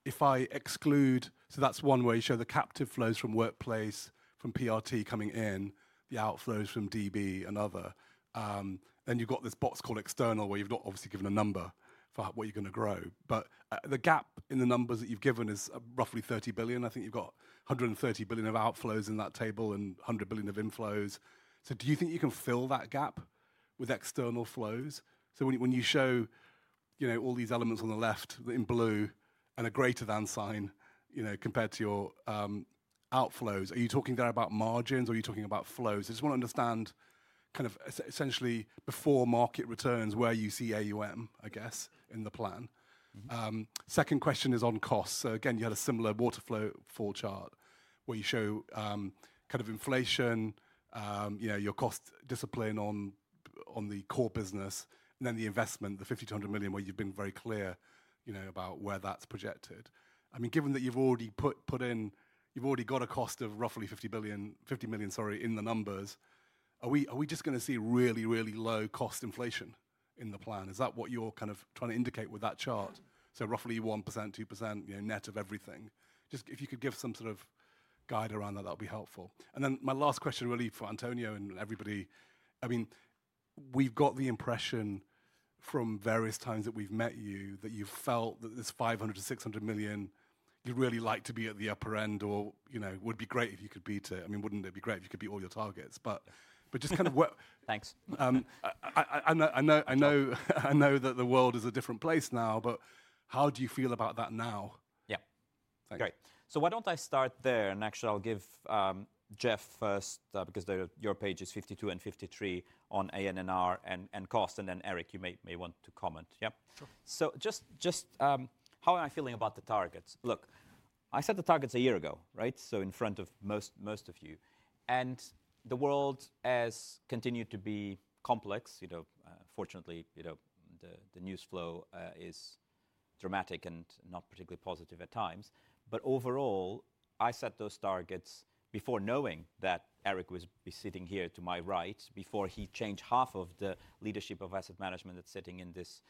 if I exclude, so that's one where you show the captive flows from workplace, from PRT coming in, the outflows from DB and other. You've got this box called external, where you've not obviously given a number for what you're going to grow. The gap in the numbers that you've given is roughly 30 billion. I think you've got 130 billion of outflows in that table and 100 billion of inflows. Do you think you can fill that gap with external flows? When you show all these elements on the left in blue and a greater than sign compared to your outflows, are you talking there about margins or are you talking about flows? I just want to understand kind of essentially before market returns where you see AUM, I guess, in the plan. Second question is on costs. Again, you had a similar waterfall chart where you show kind of inflation, your cost discipline on the core business, and then the investment, the 50-100 million where you've been very clear about where that's projected. I mean, given that you've already put in, you've already got a cost of roughly 50 million, sorry, in the numbers, are we just going to see really, really low cost inflation in the plan? Is that what you're kind of trying to indicate with that chart? So roughly 1%, 2% net of everything. Just if you could give some sort of guide around that, that would be helpful. And then my last question really for António and everybody. I mean, we've got the impression from various times that we've met you that you've felt that this 500 million-600 million, you'd really like to be at the upper end or would be great if you could beat it. I mean, wouldn't it be great if you could beat all your targets? Just kind of. Thanks. I know that the world is a different place now, but how do you feel about that now? Yeah. Great. Why don't I start there? Actually, I'll give Jeff first because your page is 52 and 53 on ANR and cost. Eric, you may want to comment. Yeah? Just how am I feeling about the targets? Look, I set the targets a year ago, right? In front of most of you. The world has continued to be complex. Fortunately, the news flow is dramatic and not particularly positive at times. Overall, I set those targets before knowing that Eric was sitting here to my right before he changed half of the leadership of Asset Management that's sitting in this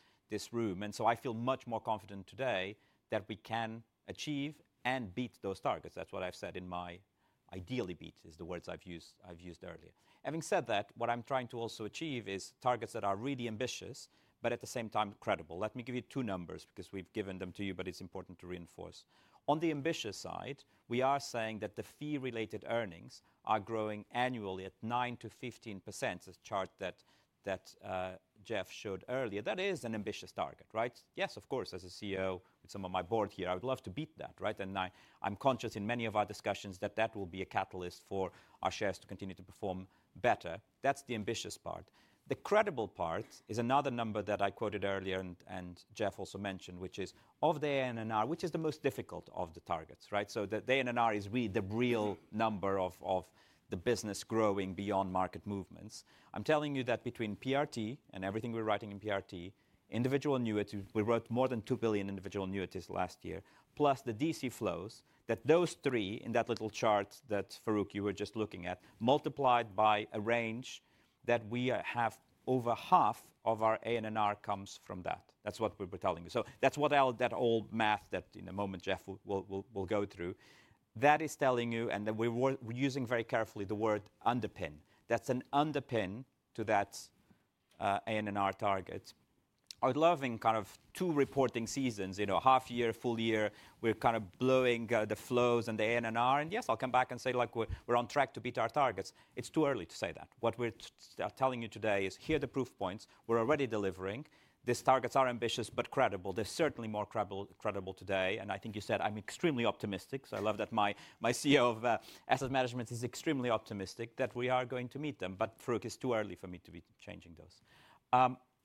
room. I feel much more confident today that we can achieve and beat those targets. That's what I've said in my ideally beat is the words I've used earlier. Having said that, what I'm trying to also achieve is targets that are really ambitious, but at the same time credible. Let me give you two numbers because we've given them to you, but it's important to reinforce. On the ambitious side, we are saying that the fee-related earnings are growing annually at 9%-15%, the chart that Jeff showed earlier. That is an ambitious target, right? Yes, of course. As a CEO with some of my board here, I would love to beat that, right? I am conscious in many of our discussions that that will be a catalyst for our shares to continue to perform better. That is the ambitious part. The credible part is another number that I quoted earlier and Jeff also mentioned, which is of the ANR, which is the most difficult of the targets, right? The ANR is really the real number of the business growing beyond market movements. I am telling you that between PRT and everything we are writing in PRT, individual annuities, we wrote more than 2 billion individual annuities last year, plus the DC flows, that those three in that little chart that Farooq, you were just looking at, multiplied by a range that we have, over half of our ANR comes from that. That is what we were telling you. That is what all that old math that in a moment, Jeff, will go through. That is telling you, and we are using very carefully the word underpin. That is an underpin to that ANR target. I would love in kind of two reporting seasons, half year, full year, we are kind of blowing the flows and the ANR. Yes, I will come back and say we are on track to beat our targets. It is too early to say that. What we are telling you today is here are the proof points. We are already delivering. These targets are ambitious, but credible. They are certainly more credible today. I think you said I am extremely optimistic. I love that my CEO of Asset Management is extremely optimistic that we are going to meet them. Farooq, it is too early for me to be changing those.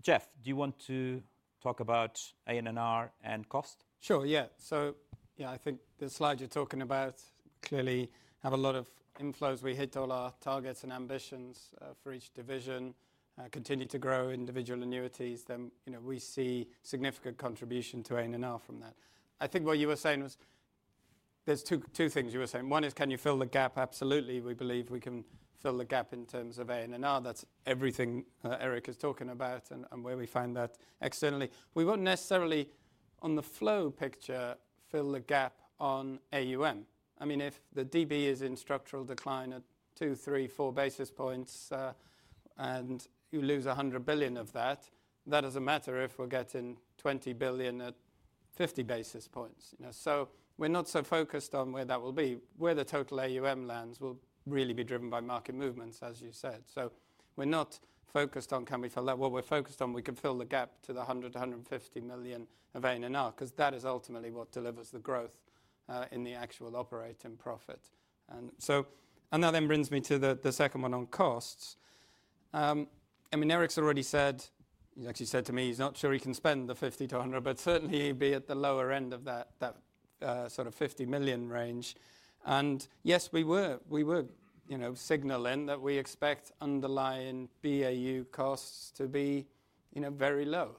Jeff, do you want to talk about ANR and cost? Sure. Yeah. So yeah, I think the slides you're talking about clearly have a lot of inflows. We hit all our targets and ambitions for each division, continue to grow individual annuities. Then we see significant contribution to ANR from that. I think what you were saying was there's two things you were saying. One is can you fill the gap? Absolutely. We believe we can fill the gap in terms of ANR. That's everything Eric is talking about and where we find that externally. We won't necessarily on the flow picture fill the gap on AUM. I mean, if the DB is in structural decline at two, three, four basis points and you lose $100 billion of that, that doesn't matter if we're getting 20 billion at 50 basis points. So we're not so focused on where that will be. Where the total AUM lands will really be driven by market movements, as you said. We're not focused on can we fill that. What we're focused on, we can fill the gap to the 100, 150 million of ANR because that is ultimately what delivers the growth in the actual operating profit. That then brings me to the second one on costs. I mean, Eric's already said, he's actually said to me he's not sure he can spend the 50, 100, but certainly he'd be at the lower end of that sort of 50 million range. Yes, we were signaling that we expect underlying BAU costs to be very low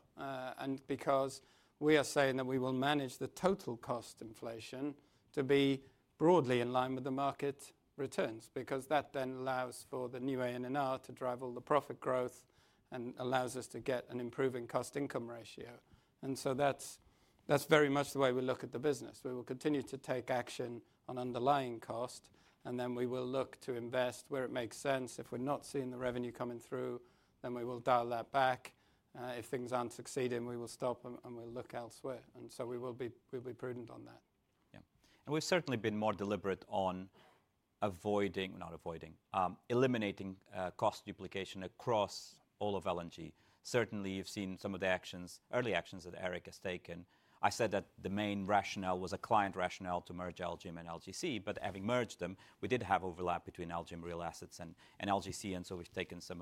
because we are saying that we will manage the total cost inflation to be broadly in line with the market returns because that then allows for the new ANR to drive all the profit growth and allows us to get an improving cost-income ratio. That is very much the way we look at the business. We will continue to take action on underlying cost, and then we will look to invest where it makes sense. If we are not seeing the revenue coming through, then we will dial that back. If things are not succeeding, we will stop and we will look elsewhere. We will be prudent on that. We have certainly been more deliberate on avoiding, not avoiding, eliminating cost duplication across all of L&G. Certainly, you've seen some of the actions, early actions that Eric has taken. I said that the main rationale was a client rationale to merge LGIM and LGC. Having merged them, we did have overlap between LGIM real assets and LGC. We have taken some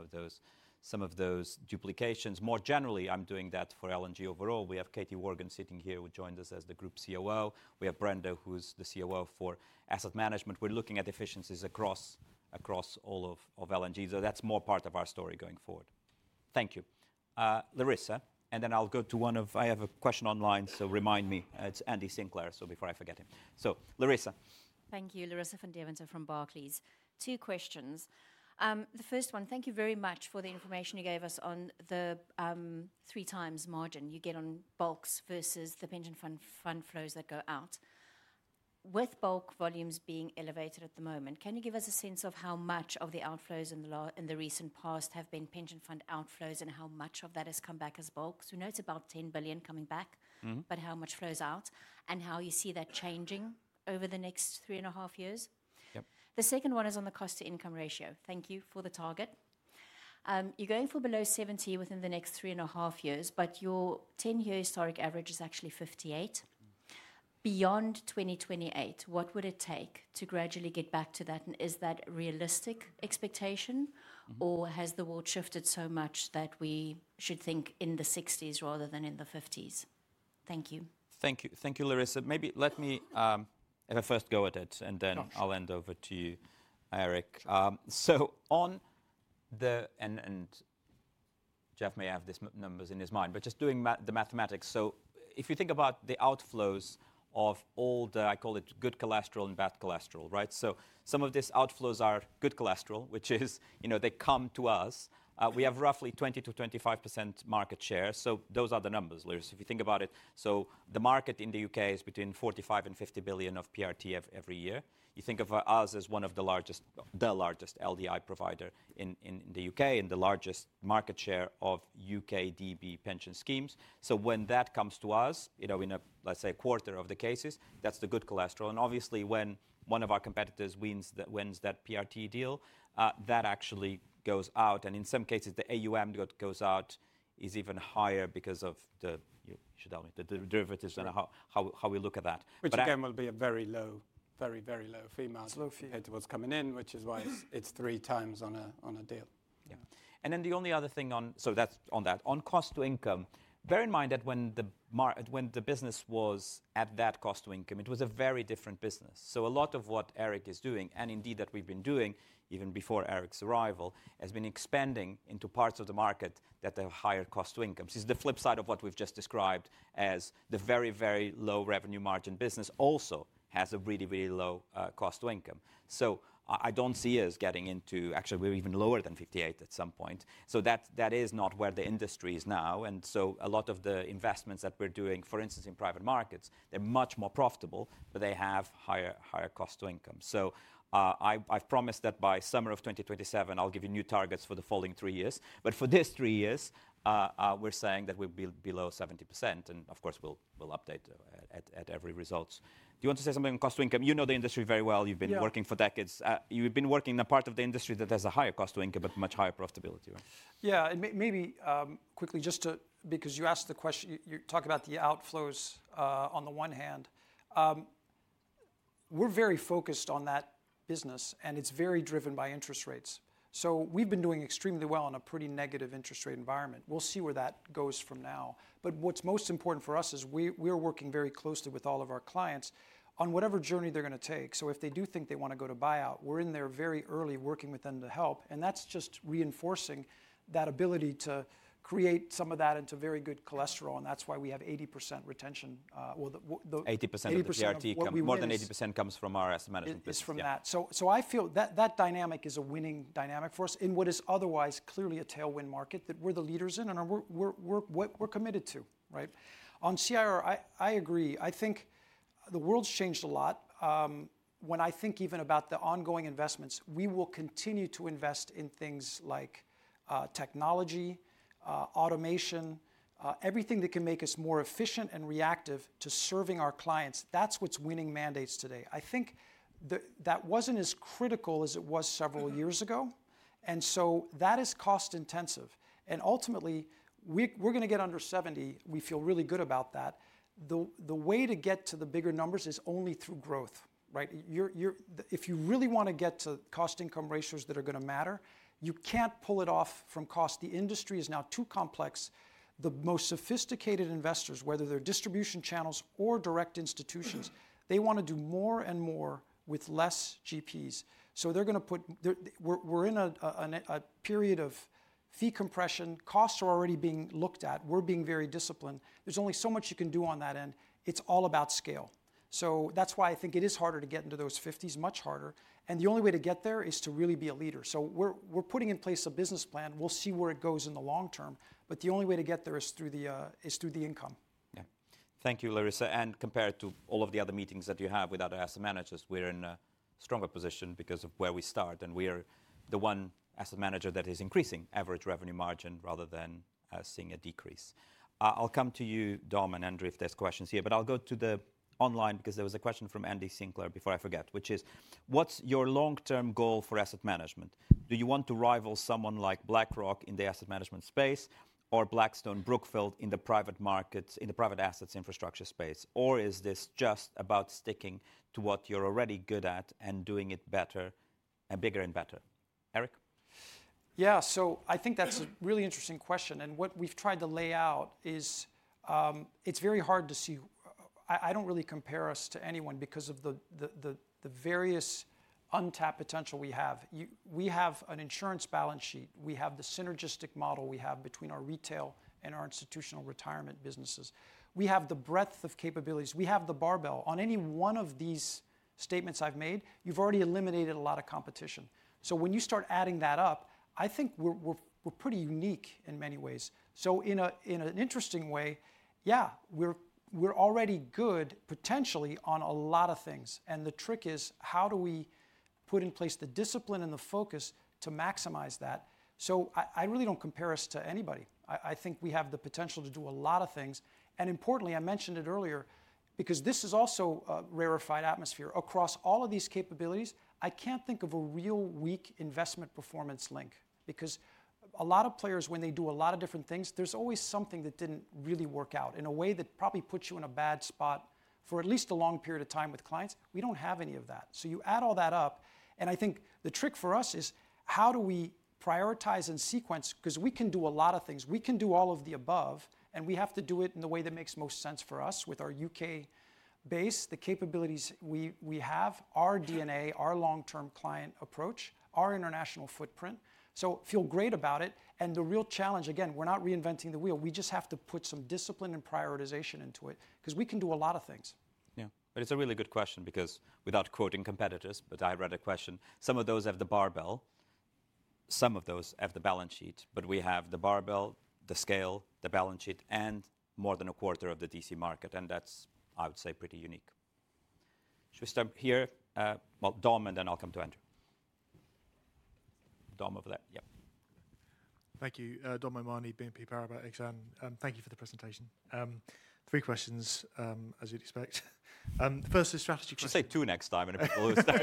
of those duplications. More generally, I'm doing that for L&G overall. We have Katie Worgan sitting here who joined us as the Group COO. We have Brenda, who's the COO for Asset Management. We're looking at efficiencies across all of L&G. That is more part of our story going forward. Thank you. Larissa, and then I'll go to one of, I have a question online, so remind me. It's Andy Sinclair, so before I forget him. Larissa. Thank you. Larissa van Deventer from Barclays. Two questions. The first one, thank you very much for the information you gave us on the 3x margin you get on bulks versus the pension fund flows that go out. With bulk volumes being elevated at the moment, can you give us a sense of how much of the outflows in the recent past have been pension fund outflows and how much of that has come back as bulks? We know it is about 10 billion coming back, but how much flows out and how you see that changing over the next three and a half years? The second one is on the cost-to-income ratio. Thank you for the target. You are going for below 70 within the next three and a half years, but your 10-year historic average is actually 58. Beyond 2028, what would it take to gradually get back to that? Is that a realistic expectation, or has the world shifted so much that we should think in the GBP 60s rather than in the GBP 50s? Thank you. Thank you. Thank you, Larissa. Maybe let me have a first go at it, and then I'll hand over to you, Eric. On the, and Jeff may have these numbers in his mind, but just doing the mathematics. If you think about the outflows of all the, I call it good collateral and bad collateral, right? Some of these outflows are good collateral, which is they come to us. We have roughly 20%-25% market share. Those are the numbers, Larissa. If you think about it, the market in the U.K. is between 45 billion and 50 billion of PRT every year. You think of us as one of the largest LDI providers in the U.K. and the largest market share of U.K. DB pension schemes. When that comes to us, in a, let's say, a quarter of the cases, that's the good collateral. Obviously, when one of our competitors wins that PRT deal, that actually goes out. In some cases, the AUM that goes out is even higher because of the, you should tell me, the derivatives and how we look at that. Which again will be a very low, very, very low fee margin compared to what's coming in, which is why it's 3x on a deal. Yeah. The only other thing on, so that's on that. On cost-to-income, bear in mind that when the business was at that cost-to-income, it was a very different business. A lot of what Eric is doing, and indeed that we've been doing even before Eric's arrival, has been expanding into parts of the market that have higher cost-to-income. This is the flip side of what we've just described as the very, very low revenue margin business also has a really, really low cost-to-income. I do not see us getting into, actually, we're even lower than 58 at some point. That is not where the industry is now. A lot of the investments that we're doing, for instance, in private markets, they're much more profitable, but they have higher cost-to-income. I've promised that by summer of 2027, I'll give you new targets for the following three years. For this three years, we're saying that we'll be below 70%. Of course, we'll update at every results. Do you want to say something on cost-to-income? You know the industry very well. You've been working for decades. You've been working in a part of the industry that has a higher cost-to-income, but much higher profitability, right? Yeah. Maybe quickly, just because you asked the question, you talk about the outflows on the one hand. We're very focused on that business, and it's very driven by interest rates. We've been doing extremely well in a pretty negative interest rate environment. We'll see where that goes from now. What's most important for us is we're working very closely with all of our clients on whatever journey they're going to take. If they do think they want to go to buyout, we're in there very early working with them to help. That's just reinforcing that ability to create some of that into very good collateral. That's why we have 80% retention. 80% of the PRT, more than 80% comes from our Asset Management business. It's from that. I feel that dynamic is a winning dynamic for us in what is otherwise clearly a tailwind market that we're the leaders in and we're committed to, right? On CIRO, I agree. I think the world's changed a lot. When I think even about the ongoing investments, we will continue to invest in things like technology, automation, everything that can make us more efficient and reactive to serving our clients. That's what's winning mandates today. I think that wasn't as critical as it was several years ago. That is cost-intensive. Ultimately, we're going to get under 70. We feel really good about that. The way to get to the bigger numbers is only through growth, right? If you really want to get to cost-to-income ratios that are going to matter, you can't pull it off from cost. The industry is now too complex. The most sophisticated investors, whether they're distribution channels or direct institutions, they want to do more and more with less GPs. So they're going to put, we're in a period of fee compression. Costs are already being looked at. We're being very disciplined. There's only so much you can do on that end. It's all about scale. That's why I think it is harder to get into those GBP 50s, much harder. The only way to get there is to really be a leader. We're putting in place a business plan. We'll see where it goes in the long term. The only way to get there is through the income. Yeah. Thank you, Larissa. Compared to all of the other meetings that you have with other asset managers, we're in a stronger position because of where we start. We're the one asset manager that is increasing average revenue margin rather than seeing a decrease. I'll come to you, Dom and Andrew, if there's questions here. I'll go to the online because there was a question from Andy Sinclair before I forget, which is, what's your long-term goal for Asset Management? Do you want to rival someone like BlackRock in the Asset Management space or Blackstone, Brookfield in the private markets, in the private assets infrastructure space? Is this just about sticking to what you're already good at and doing it better and bigger and better? Eric? Yeah. I think that's a really interesting question. What we've tried to lay out is it's very hard to see. I do not really compare us to anyone because of the various untapped potential we have. We have an insurance balance sheet. We have the synergistic model we have between our retail and our institutional retirement businesses. We have the breadth of capabilities. We have the barbell. On any one of these statements I have made, you have already eliminated a lot of competition. When you start adding that up, I think we are pretty unique in many ways. In an interesting way, yeah, we are already good potentially on a lot of things. The trick is how do we put in place the discipline and the focus to maximize that? I really do not compare us to anybody. I think we have the potential to do a lot of things. Importantly, I mentioned it earlier because this is also a rarefied atmosphere. Across all of these capabilities, I can't think of a real weak investment performance link because a lot of players, when they do a lot of different things, there's always something that didn't really work out in a way that probably puts you in a bad spot for at least a long period of time with clients. We don't have any of that. You add all that up. I think the trick for us is how do we prioritize and sequence because we can do a lot of things. We can do all of the above, and we have to do it in the way that makes most sense for us with our U.K. base, the capabilities we have, our DNA, our long-term client approach, our international footprint. I feel great about it. The real challenge, again, we're not reinventing the wheel. We just have to put some discipline and prioritization into it because we can do a lot of things. Yeah. It's a really good question because without quoting competitors, but I read a question. Some of those have the barbell. Some of those have the balance sheet. We have the barbell, the scale, the balance sheet, and more than a quarter of the DC market. That's, I would say, pretty unique. Should we start here? Dom, and then I'll come to Andrew. Dom over there. Yep. Thank you. Dom O'Mahony BNP Paribas Exane. Thank you for the presentation. Three questions, as you'd expect. First is strategy question. Just say two next time and people will start.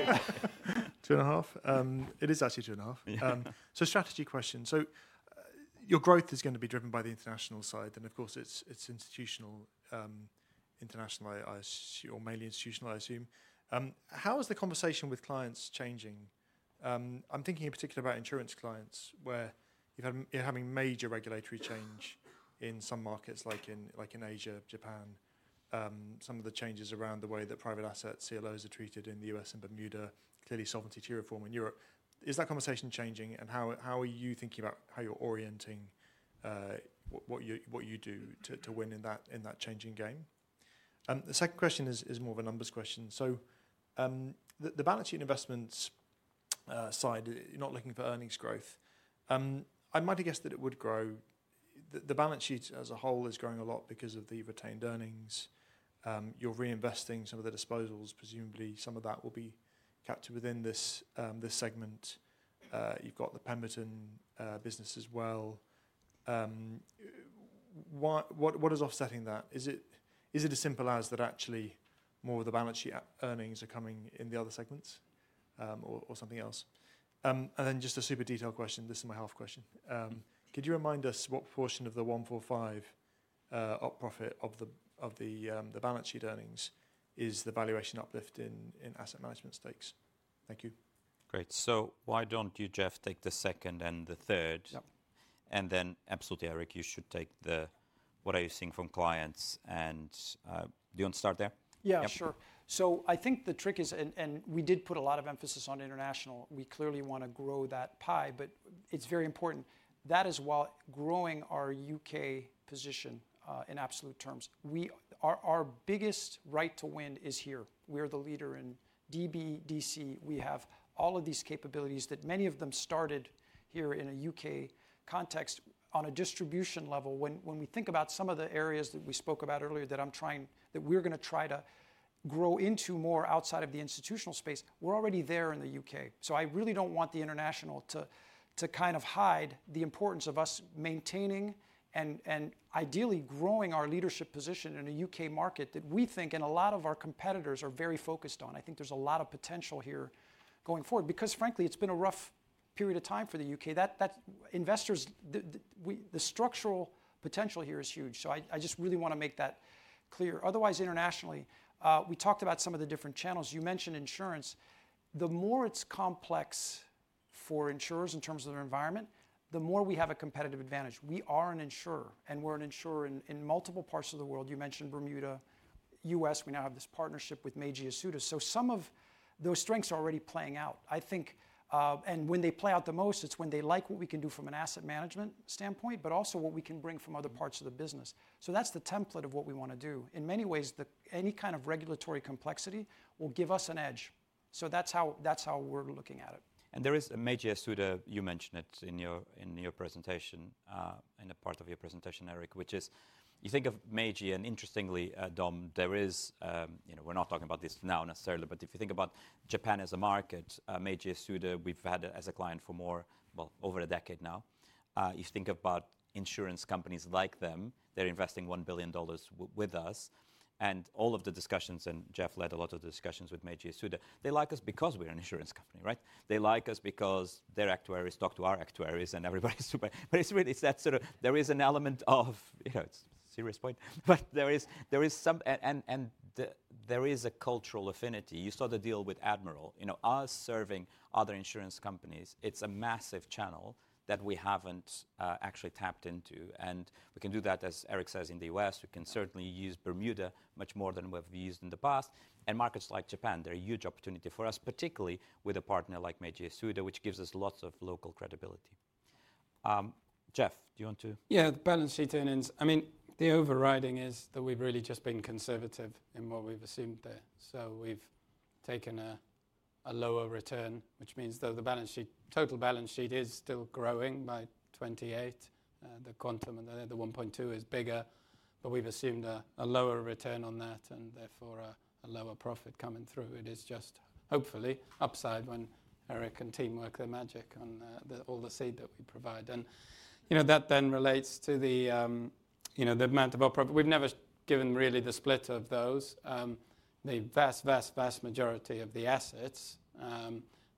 Two and a half. It is actually two and a half. Strategy question. Your growth is going to be driven by the international side. Of course, it's institutional, international, or mainly institutional, I assume. How is the conversation with clients changing? I'm thinking in particular about insurance clients where you're having major regulatory change in some markets like in Asia, Japan, some of the changes around the way that private asset CLOs are treated in the U.S. and Bermuda, clearly sovereignty to your reform in Europe. Is that conversation changing? How are you thinking about how you're orienting what you do to win in that changing game? The second question is more of a numbers question. The balance sheet investments side, you're not looking for earnings growth. I might have guessed that it would grow. The balance sheet as a whole is growing a lot because of the retained earnings. You're reinvesting some of the disposals. Presumably, some of that will be captured within this segment. You've got the Pemberton business as well. What is offsetting that? Is it as simple as that actually more of the balance sheet earnings are coming in the other segments or something else? And then just a super detailed question. This is my half question. Could you remind us what portion of the 145 million up profit of the balance sheet earnings is the valuation uplift in Asset Management stakes? Thank you. Great. Why don't you, Jeff, take the second and the third? Absolutely, Eric, you should take the, what are you seeing from clients? Do you want to start there? Yeah, sure. I think the trick is, and we did put a lot of emphasis on international. We clearly want to grow that pie, but it is very important that is while growing our U.K. position in absolute terms. Our biggest right to win is here. We are the leader in DB, DC. We have all of these capabilities that many of them started here in a U.K. context on a distribution level. When we think about some of the areas that we spoke about earlier that I'm trying, that we're going to try to grow into more outside of the institutional space, we're already there in the U.K. I really do not want the international to kind of hide the importance of us maintaining and ideally growing our leadership position in a U.K. market that we think and a lot of our competitors are very focused on. I think there is a lot of potential here going forward because, frankly, it has been a rough period of time for the U.K. Investors, the structural potential here is huge. I just really want to make that clear. Otherwise, internationally, we talked about some of the different channels. You mentioned insurance. The more it's complex for insurers in terms of their environment, the more we have a competitive advantage. We are an insurer, and we're an insurer in multiple parts of the world. You mentioned Bermuda, U.S. We now have this partnership with Meiji Yasuda. Some of those strengths are already playing out, I think. When they play out the most, it's when they like what we can do from an Asset Management standpoint, but also what we can bring from other parts of the business. That's the template of what we want to do. In many ways, any kind of regulatory complexity will give us an edge. That's how we're looking at it. There is a Meiji Yasuda. You mentioned it in your presentation, in a part of your presentation, Eric, which is you think of Meiji, and interestingly, Dom, there is, we're not talking about this now necessarily, but if you think about Japan as a market, Meiji Yasuda, we've had it as a client for more, well, over a decade now. You think about insurance companies like them. They're investing $1 billion with us. All of the discussions, and Jeff led a lot of the discussions with Meiji Yasuda, they like us because we're an insurance company, right? They like us because their actuaries talk to our actuaries, and everybody's super. It's really that sort of, there is an element of, it's a serious point, but there is some, and there is a cultural affinity. You saw the deal with Admiral. Us serving other insurance companies, it's a massive channel that we haven't actually tapped into. We can do that, as Eric says, in the U.S. We can certainly use Bermuda much more than we've used in the past. Markets like Japan, they're a huge opportunity for us, particularly with a partner like Meiji Yasuda, which gives us lots of local credibility. Jeff, do you want to? Yeah, the balance sheet earnings. I mean, the overriding is that we've really just been conservative in what we've assumed there. We've taken a lower return, which means that the balance sheet, total balance sheet is still growing by 28%. The quantum and the 1.2% is bigger, but we've assumed a lower return on that and therefore a lower profit coming through. It is just hopefully upside when Eric and team work their magic on all the seed that we provide. That then relates to the amount of upper profit. We've never given really the split of those. The vast, vast, vast majority of the assets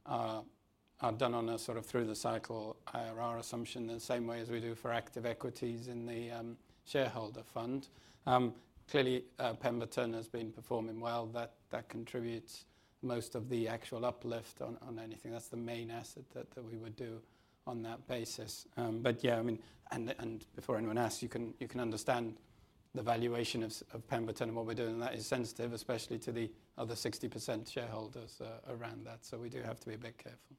are done on a sort of through-the-cycle IRR assumption in the same way as we do for active equities in the shareholder fund. Clearly, Pemberton has been performing well. That contributes most of the actual uplift on anything. That's the main asset that we would do on that basis. I mean, and before anyone asks, you can understand the valuation of Pemberton and what we're doing. That is sensitive, especially to the other 60% shareholders around that. We do have to be a bit careful.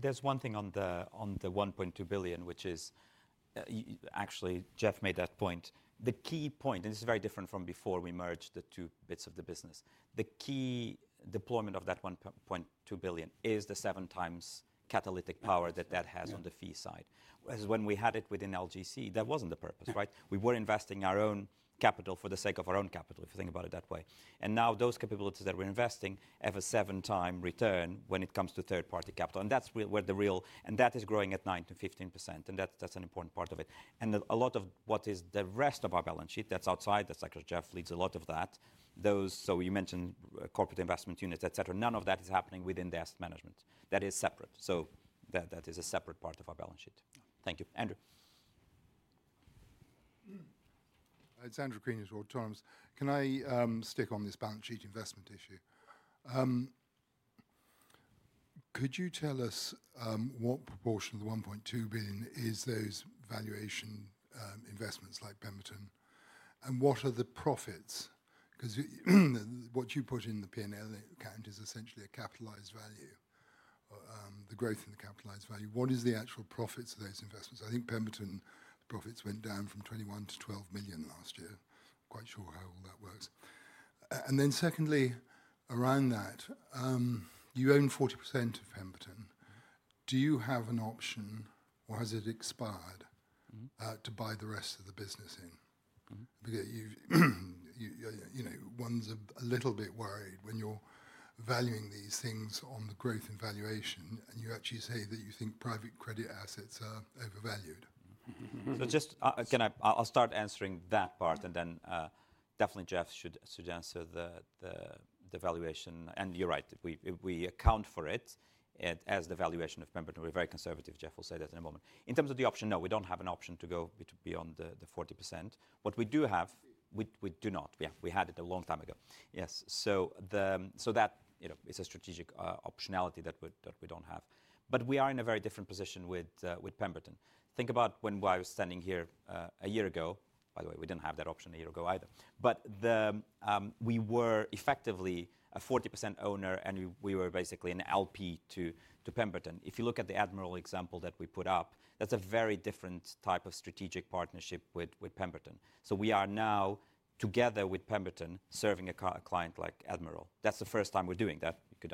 There's one thing on the 1.2 billion, which is actually Jeff made that point. The key point, and this is very different from before we merged the two bits of the business. The key deployment of that 1.2 billion is the 7x catalytic power that that has on the fee side. When we had it within LGC, that was not the purpose, right? We were investing our own capital for the sake of our own capital, if you think about it that way. Now those capabilities that we are investing have a seven-time return when it comes to third-party capital. That is where the real, and that is growing at 9%-15%. That is an important part of it. A lot of what is the rest of our balance sheet, that is outside, that is like Jeff leads a lot of that. You mentioned corporate investment units, etc. None of that is happening within the Asset Management. That is separate. That is a separate part of our balance sheet. Thank you. Andrew. It is Andrew Crean from Autonomous, can I stick on this balance sheet investment issue? Could you tell us what proportion of the 1.2 billion is those valuation investments like Pemberton? And what are the profits? Because what you put in the P&L account is essentially a capitalized value, the growth in the capitalized value. What is the actual profits of those investments? I think Pemberton profits went down from 21 million to 12 million last year. Quite sure how all that works. Secondly, around that, you own 40% of Pemberton. Do you have an option, or has it expired, to buy the rest of the business in? One's a little bit worried when you're valuing these things on the growth in valuation, and you actually say that you think private credit assets are overvalued. Just, again, I'll start answering that part, and then definitely Jeff should answer the valuation. You're right. We account for it as the valuation of Pemberton. We're very conservative, Jeff will say that in a moment. In terms of the option, no, we don't have an option to go beyond the 40%. What we do have, we do not. We had it a long time ago. Yes. That is a strategic optionality that we don't have. We are in a very different position with Pemberton. Think about when I was standing here a year ago. By the way, we didn't have that option a year ago either. We were effectively a 40% owner, and we were basically an LP to Pemberton. If you look at the Admiral example that we put up, that's a very different type of strategic partnership with Pemberton. We are now together with Pemberton serving a client like Admiral. That's the first time we're doing that. You could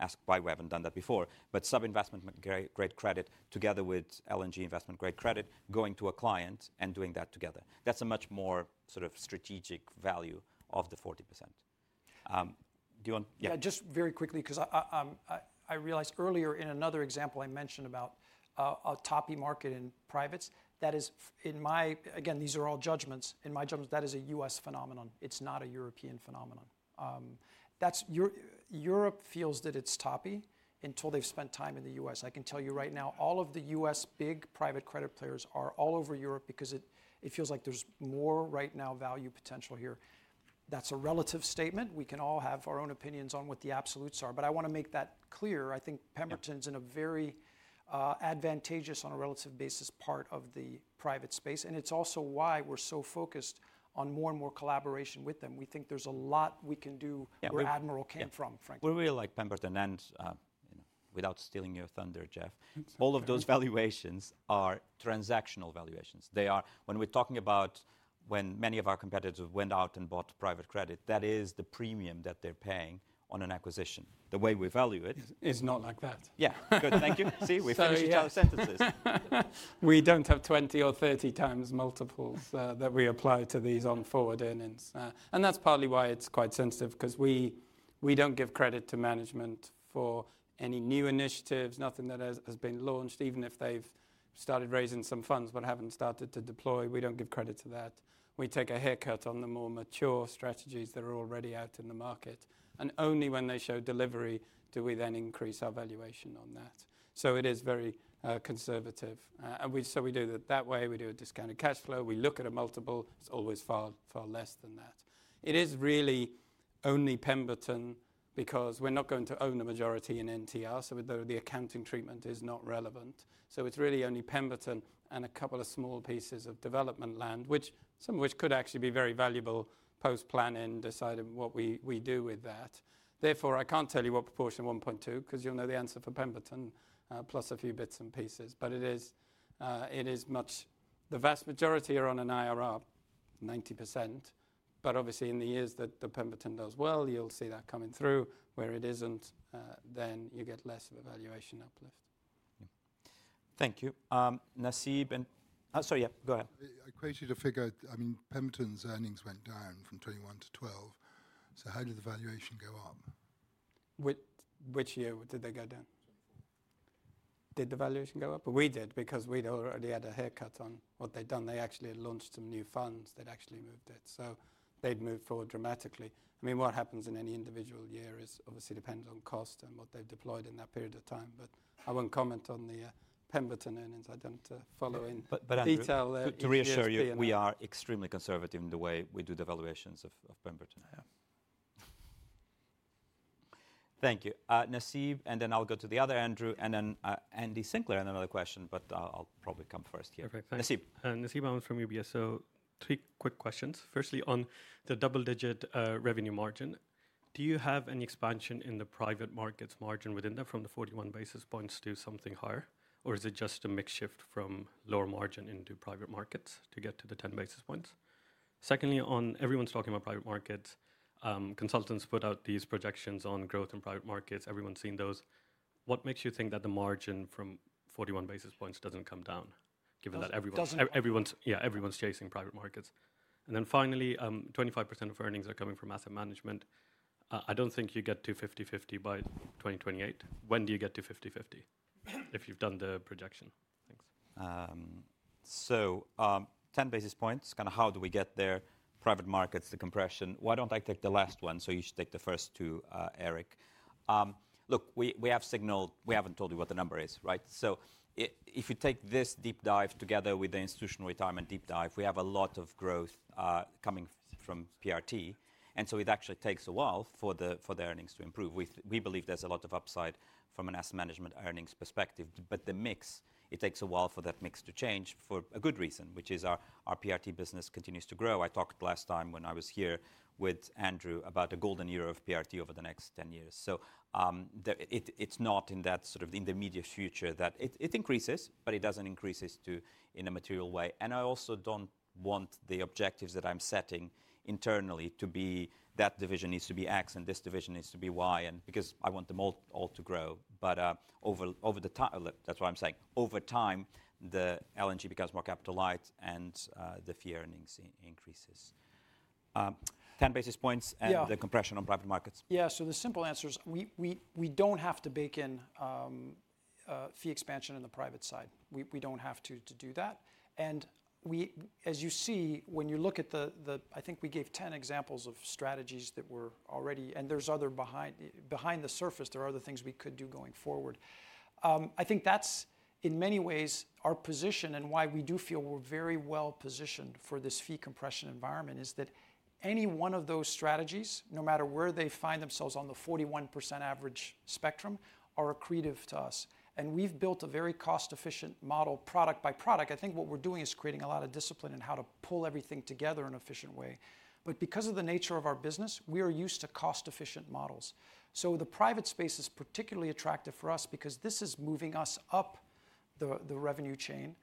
ask why we haven't done that before. But sub-investment grade credit together with L&G investment grade credit going to a client and doing that together. That's a much more sort of strategic value of the 40%. Do you want? Yeah, just very quickly because I realized earlier in another example I mentioned about a toppy market in privates. That is, in my, again, these are all judgments. In my judgment, that is a U.S. phenomenon. It's not a European phenomenon. Europe feels that it's toppy until they've spent time in the U.S. I can tell you right now, all of the U.S. big private credit players are all over Europe because it feels like there's more right now value potential here. That's a relative statement. We can all have our own opinions on what the absolutes are. But I want to make that clear. I think Pemberton's in a very advantageous, on a relative basis, part of the private space. It is also why we're so focused on more and more collaboration with them. We think there's a lot we can do where Admiral came from, frankly. We really like Pemberton, and without stealing your thunder, Jeff, all of those valuations are transactional valuations. When we're talking about when many of our competitors went out and bought private credit, that is the premium that they're paying on an acquisition. The way we value it, It's not like that. Yeah. Good. Thank you. See, we finish each other's sentences. We do not have 20x or 30x multiples that we apply to these on forward earnings. That is partly why it is quite sensitive because we do not give credit to management for any new initiatives, nothing that has been launched, even if they have started raising some funds but have not started to deploy. We do not give credit to that. We take a haircut on the more mature strategies that are already out in the market. Only when they show delivery do we then increase our valuation on that. It is very conservative. We do it that way. We do a discounted cash flow. We look at a multiple. It is always far, far less than that. It is really only Pemberton because we are not going to own the majority in NTR, so the accounting treatment is not relevant. It is really only Pemberton and a couple of small pieces of development land, some of which could actually be very valuable post-planning, deciding what we do with that. Therefore, I cannot tell you what proportion of 1.2 billion because you will know the answer for Pemberton plus a few bits and pieces. The vast majority are on an IRR, 90%. Obviously, in the years that Pemberton does well, you will see that coming through. Where it is not, then you get less of a valuation uplift. Thank you. Nasib, sorry, go ahead. I quoted a figure. I mean, Pemberton's earnings went down from 21 million to 12 million. How did the valuation go up? Which year did they go down? Did the valuation go up? We did because we had already had a haircut on what they had done. They actually had launched some new funds that actually moved it. They'd moved forward dramatically. I mean, what happens in any individual year obviously depends on cost and what they've deployed in that period of time. I won't comment on the Pemberton earnings. I don't follow in detail there. To reassure you, we are extremely conservative in the way we do the valuations of Pemberton. Yeah. Thank you. Nasib, and then I'll go to the other Andrew and then Andy Sinclair and another question, but I'll probably come first here. Nasib Ahmed I'm from UBS. Three quick questions. Firstly, on the double-digit revenue margin, do you have any expansion in the private markets margin within that from the 41 basis points to something higher? Or is it just a mixed shift from lower margin into private markets to get to the 10 basis points? Secondly, on everyone's talking about private markets, consultants put out these projections on growth in private markets. Everyone's seen those. What makes you think that the margin from 41 basis points does not come down? Given that everyone's, yeah, everyone's chasing private markets. And then finally, 25% of earnings are coming from Asset Management. I do not think you get to 50/50 by 2028. When do you get to 50/50 if you have done the projection? Thanks. Ten basis points, kind of how do we get there? Private markets, the compression. Why do I not take the last one? You should take the first two, Eric. Look, we have signaled, we have not told you what the number is, right? If you take this deep dive together with the institutional retirement deep dive, we have a lot of growth coming from PRT. It actually takes a while for the earnings to improve. We believe there's a lot of upside from an Asset Management earnings perspective. The mix, it takes a while for that mix to change for a good reason, which is our PRT business continues to grow. I talked last time when I was here with Andrew about a golden era of PRT over the next 10 years. It is not in that sort of immediate future that it increases, but it does not increase in a material way. I also do not want the objectives that I am setting internally to be that division needs to be X and this division needs to be Y, because I want them all to grow. Over time, that is what I am saying. Over time, the L&G becomes more capital light and the fee earnings increases. Ten basis points and the compression on private markets. Yeah. The simple answer is we do not have to bake in fee expansion in the private side. We do not have to do that. As you see, when you look at the, I think we gave 10 examples of strategies that were already, and there is other behind the surface, there are other things we could do going forward. I think that is in many ways our position and why we do feel we are very well positioned for this fee compression environment is that any one of those strategies, no matter where they find themselves on the 41% average spectrum, are accretive to us. We have built a very cost-efficient model, product by product. I think what we are doing is creating a lot of discipline in how to pull everything together in an efficient way. Because of the nature of our business, we are used to cost-efficient models. The private space is particularly attractive for us because this is moving us up the revenue chain.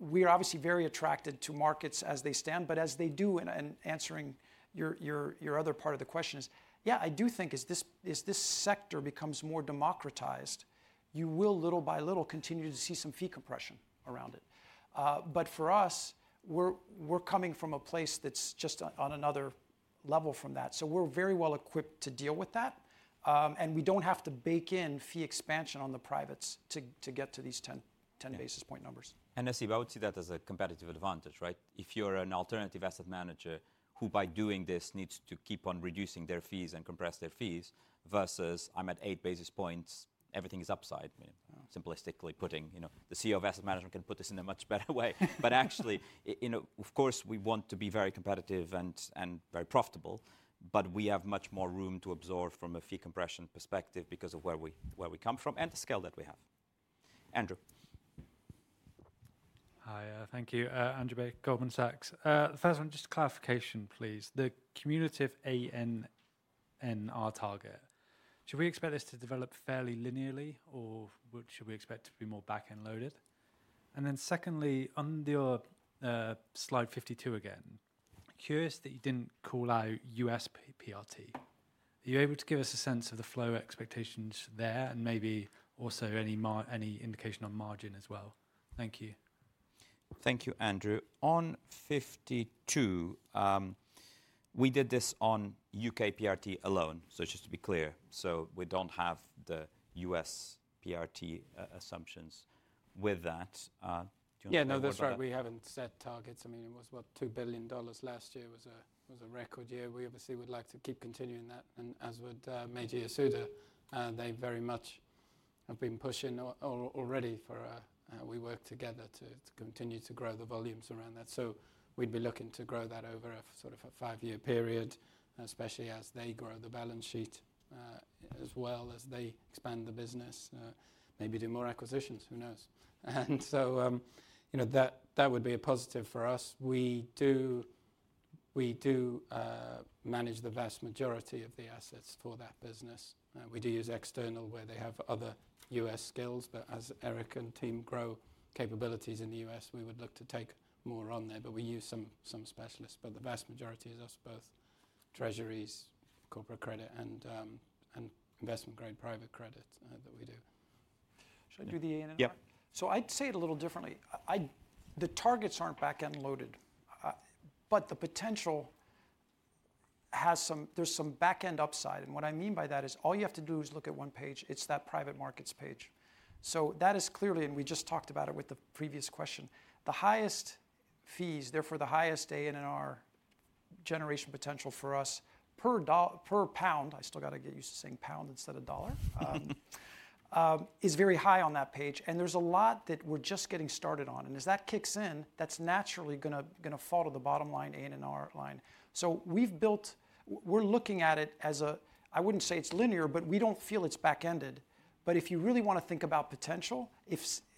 We are obviously very attracted to markets as they stand, but as they do, and answering your other part of the question is, yeah, I do think as this sector becomes more democratized, you will little by little continue to see some fee compression around it. For us, we are coming from a place that is just on another level from that. We are very well equipped to deal with that. We do not have to bake in fee expansion on the privates to get to these 10 basis point numbers. Nasib, I would see that as a competitive advantage, right? If you're an alternative asset manager who by doing this needs to keep on reducing their fees and compress their fees versus I'm at 8 basis points, everything is upside, simplistically putting. The CEO of Asset Management can put this in a much better way. Actually, of course, we want to be very competitive and very profitable, but we have much more room to absorb from a fee compression perspective because of where we come from and the scale that we have. Andrew. Hi. Thank you. Andrew Baker, Goldman Sachs. First one, just clarification, please. The cumulative ANNR target, should we expect this to develop fairly linearly, or should we expect to be more back-end loaded? Secondly, on your slide 52 again, curious that you did not call out U.S. PRT. Are you able to give us a sense of the flow expectations there and maybe also any indication on margin as well? Thank you. Thank you, Andrew. On 52, we did this on U.K. PRT alone, so just to be clear. We do not have the U.S. PRT assumptions with that. Yeah, no, that's right. We have not set targets. I mean, it was what, GBP 2 billion last year was a record year. We obviously would like to keep continuing that. As with Meiji Yasuda, they very much have been pushing already for a, we work together to continue to grow the volumes around that. We would be looking to grow that over a sort of five-year period, especially as they grow the balance sheet as well as they expand the business, maybe do more acquisitions, who knows? That would be a positive for us. We do manage the vast majority of the assets for that business. We do use external where they have other US skills. As Eric and team grow capabilities in the U.S., we would look to take more on there. We use some specialists. The vast majority is us, both treasuries, corporate credit, and investment-grade private credit that we do. Should I do the ANNR? Yep. I'd say it a little differently. The targets are not back-end loaded, but the potential has some, there's some back-end upside. What I mean by that is all you have to do is look at one page. It is that private markets page. That is clearly, and we just talked about it with the previous question. The highest fees, therefore the highest ANNR generation potential for us per pound, I still got to get used to saying pound instead of dollar, is very high on that page. There is a lot that we're just getting started on. As that kicks in, that's naturally going to fall to the bottom line, ANNR line. We've built, we're looking at it as a, I wouldn't say it's linear, but we don't feel it's back-ended. If you really want to think about potential,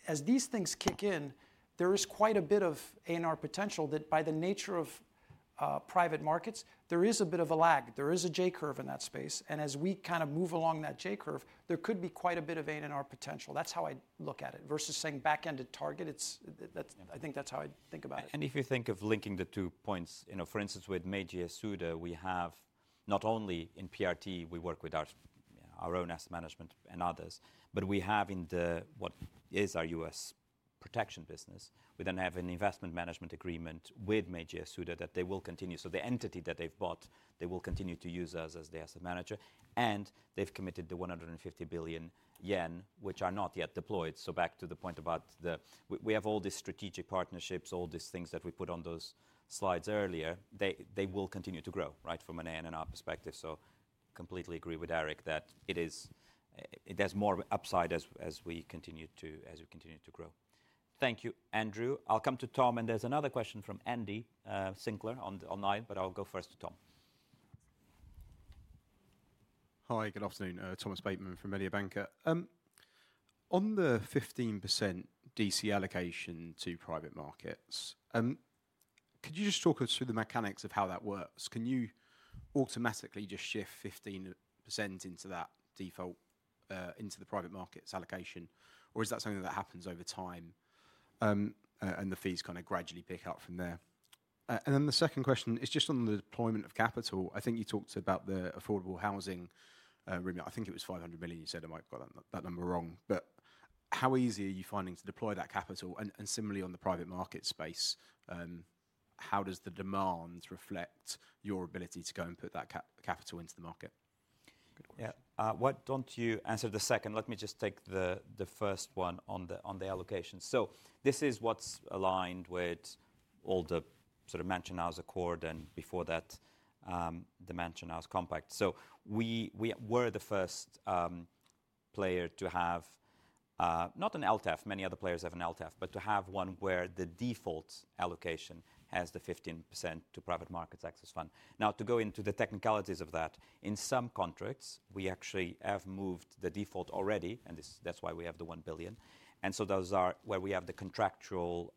as these things kick in, there is quite a bit of ANNR potential that by the nature of private markets, there is a bit of a lag. There is a J curve in that space. As we kind of move along that J curve, there could be quite a bit of ANNR potential. That's how I look at it. Versus saying back-ended target, I think that's how I think about it. If you think of linking the two points, for instance, with Meiji Yasuda, we have not only in PRT, we work with our own Asset Management and others, but we have in what is our U.S. protection business. We then have an investment management agreement with Meiji Yasuda that they will continue. The entity that they've bought, they will continue to use us as the asset manager. They've committed the 150 billion yen, which are not yet deployed. Back to the point about the, we have all these strategic partnerships, all these things that we put on those slides earlier, they will continue to grow, right, from an ANNR perspective. I completely agree with Eric that it is, there's more upside as we continue to, as we continue to grow. Thank you, Andrew. I'll come to Tom, and there's another question from Andy Sinclair online, but I'll go first to Tom. Hi, good afternoon. Thomas Bateman from Mediobanca. On the 15% DC allocation to private markets, could you just talk us through the mechanics of how that works? Can you automatically just shift 15% into that default, into the private markets allocation, or is that something that happens over time and the fees kind of gradually pick up from there? The second question is just on the deployment of capital. I think you talked about the affordable housing fund. I think it was 500 million. You said, I might have got that number wrong. How easy are you finding to deploy that capital? Similarly, on the private market space, how does the demand reflect your ability to go and put that capital into the market? Yeah. Why do you not answer the second? Let me just take the first one on the allocation. This is what is aligned with all the sort of Mansion House Accord and before that, the Mansion House Compact. We were the first player to have, not an LTEF, many other players have an LTEF, but to have one where the default allocation has the 15% to Private Markets Access Fund. Now, to go into the technicalities of that, in some contracts, we actually have moved the default already, and that is why we have the 1 billion. Those are where we have the contractual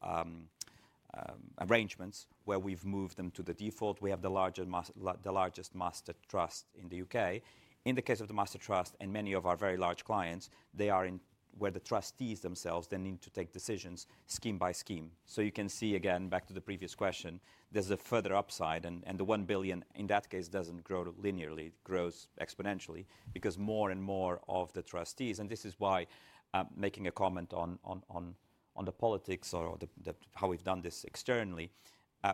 arrangements where we have moved them to the default. We have the largest master trust in the U.K. In the case of the master trust and many of our very large clients, they are where the trustees themselves then need to take decisions scheme by scheme. You can see again, back to the previous question, there's a further upside. The 1 billion in that case does not grow linearly, it grows exponentially because more and more of the trustees, and this is why making a comment on the politics or how we've done this externally,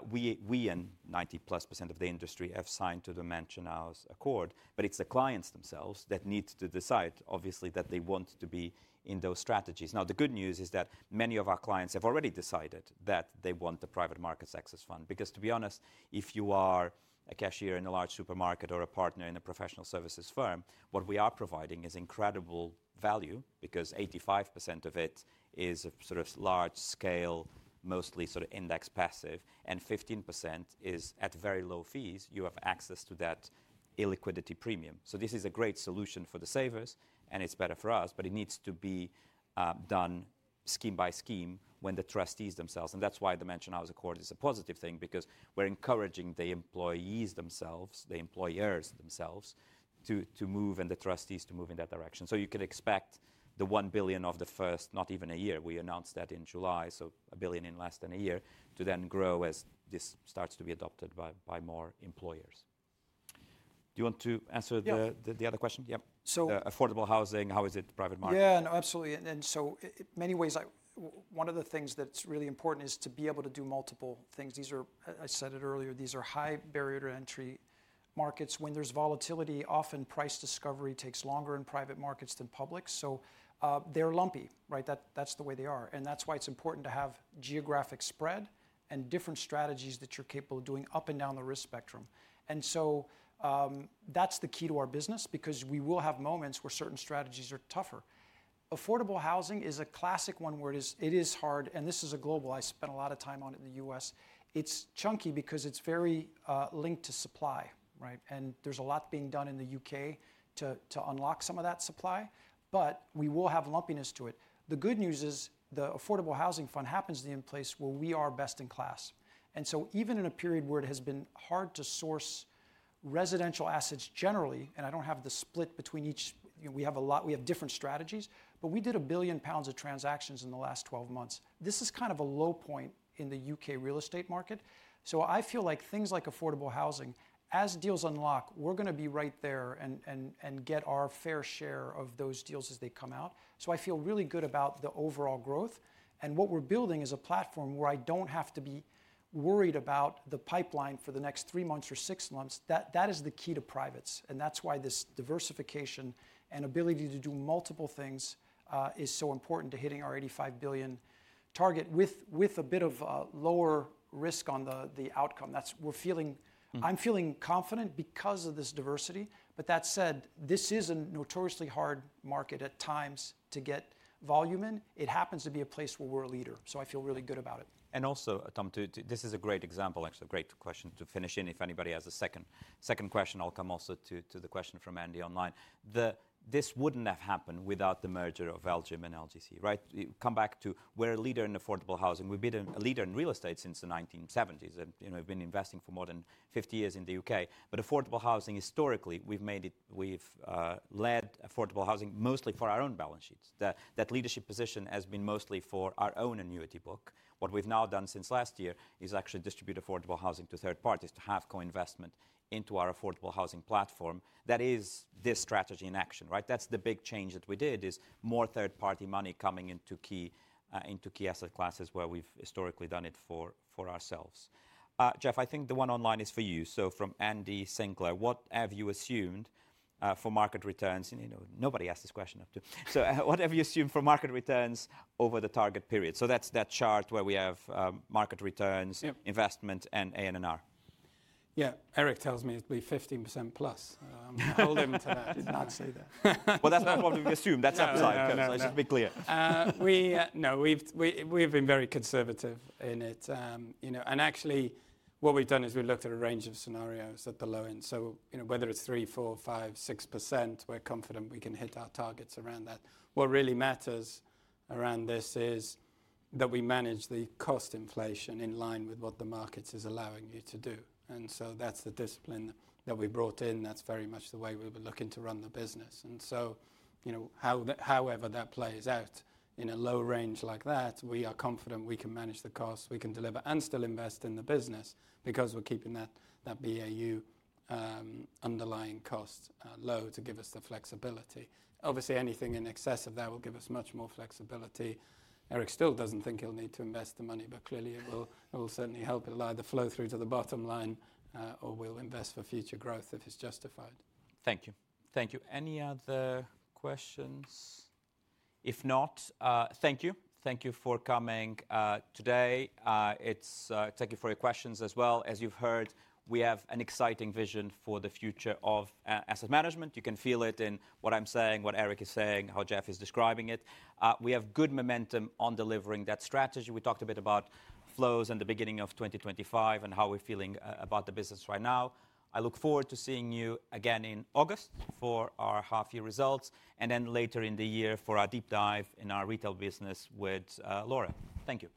we and 90%+ of the industry have signed to the Mansion House Accord. It is the clients themselves that need to decide, obviously, that they want to be in those strategies. The good news is that many of our clients have already decided that they want the Private Markets Access Fund. Because to be honest, if you are a cashier in a large supermarket or a partner in a professional services firm, what we are providing is incredible value because 85% of it is a sort of large scale, mostly sort of index passive, and 15% is at very low fees. You have access to that illiquidity premium. This is a great solution for the savers, and it is better for us, but it needs to be done scheme by scheme when the trustees themselves, and that is why the Mansion House Accord is a positive thing because we are encouraging the employees themselves, the employers themselves to move and the trustees to move in that direction. You can expect the 1 billion of the first, not even a year. We announced that in July, so 1 billion in less than a year to then grow as this starts to be adopted by more employers. Do you want to answer the other question? Yep. So affordable housing, how is it private market? Yeah, no, absolutely. In many ways, one of the things that's really important is to be able to do multiple things. These are, I said it earlier, these are high barrier to entry markets. When there is volatility, often price discovery takes longer in private markets than public. They are lumpy, right? That is the way they are. That is why it is important to have geographic spread and different strategies that you are capable of doing up and down the risk spectrum. That is the key to our business because we will have moments where certain strategies are tougher. Affordable housing is a classic one where it is hard, and this is a global, I spent a lot of time on it in the U.S. It's chunky because it's very linked to supply, right? There is a lot being done in the U.K. to unlock some of that supply, but we will have lumpiness to it. The good news is the Affordable Housing Fund happens to be in place where we are best in class. Even in a period where it has been hard to source residential assets generally, and I don't have the split between each, we have different strategies, but we did 1 billion pounds of transactions in the last 12 months. This is kind of a low point in the U.K. real estate market. I feel like things like affordable housing, as deals unlock, we're going to be right there and get our fair share of those deals as they come out. I feel really good about the overall growth. What we're building is a platform where I don't have to be worried about the pipeline for the next three months or six months. That is the key to privates. That is why this diversification and ability to do multiple things is so important to hitting our 85 billion target with a bit of lower risk on the outcome. We're feeling, I'm feeling confident because of this diversity. That said, this is a notoriously hard market at times to get volume in. It happens to be a place where we're a leader. I feel really good about it. Also, Tom, this is a great example, actually, a great question to finish in. If anybody has a second question, I'll come also to the question from Andy online. This would not have happened without the merger of LGIM and LGC, right? Come back to we are a leader in affordable housing. We have been a leader in real estate since the 1970s and have been investing for more than 50 years in the U.K. Affordable housing, historically, we have led affordable housing mostly for our own balance sheets. That leadership position has been mostly for our own annuity book. What we have now done since last year is actually distribute affordable housing to third parties to have co-investment into our affordable housing platform. That is this strategy in action, right? That's the big change that we did is more third-party money coming into key asset classes where we've historically done it for ourselves. Jeff, I think the one online is for you. From Andy Sinclair, what have you assumed for market returns? Nobody asked this question up to now. What have you assumed for market returns over the target period? That is that chart where we have market returns, investment, and ANNR. Eric tells me it'd be 15%+. I'll hold him to that. He's not saying that. That is what we assume. That is upside, just to be clear. No, we've been very conservative in it. Actually, what we've done is we've looked at a range of scenarios at the low end. Whether it's 3%, 4%, 5%, 6%, we're confident we can hit our targets around that. What really matters around this is that we manage the cost inflation in line with what the market is allowing you to do. That is the discipline that we brought in. That is very much the way we were looking to run the business. However that plays out in a low range like that, we are confident we can manage the cost, we can deliver and still invest in the business because we are keeping that BAU underlying cost low to give us the flexibility. Obviously, anything in excess of that will give us much more flexibility. Eric still does not think he will need to invest the money, but clearly it will certainly help it allow the flow through to the bottom line or we will invest for future growth if it is justified. Thank you. Thank you. Any other questions? If not, thank you. Thank you for coming today. Thank you for your questions as well. As you've heard, we have an exciting vision for the future of Asset Management. You can feel it in what I'm saying, what Eric is saying, how Jeff is describing it. We have good momentum on delivering that strategy. We talked a bit about flows in the beginning of 2025 and how we're feeling about the business right now. I look forward to seeing you again in August for our half-year results and then later in the year for our deep dive in our retail business with Laura. Thank you.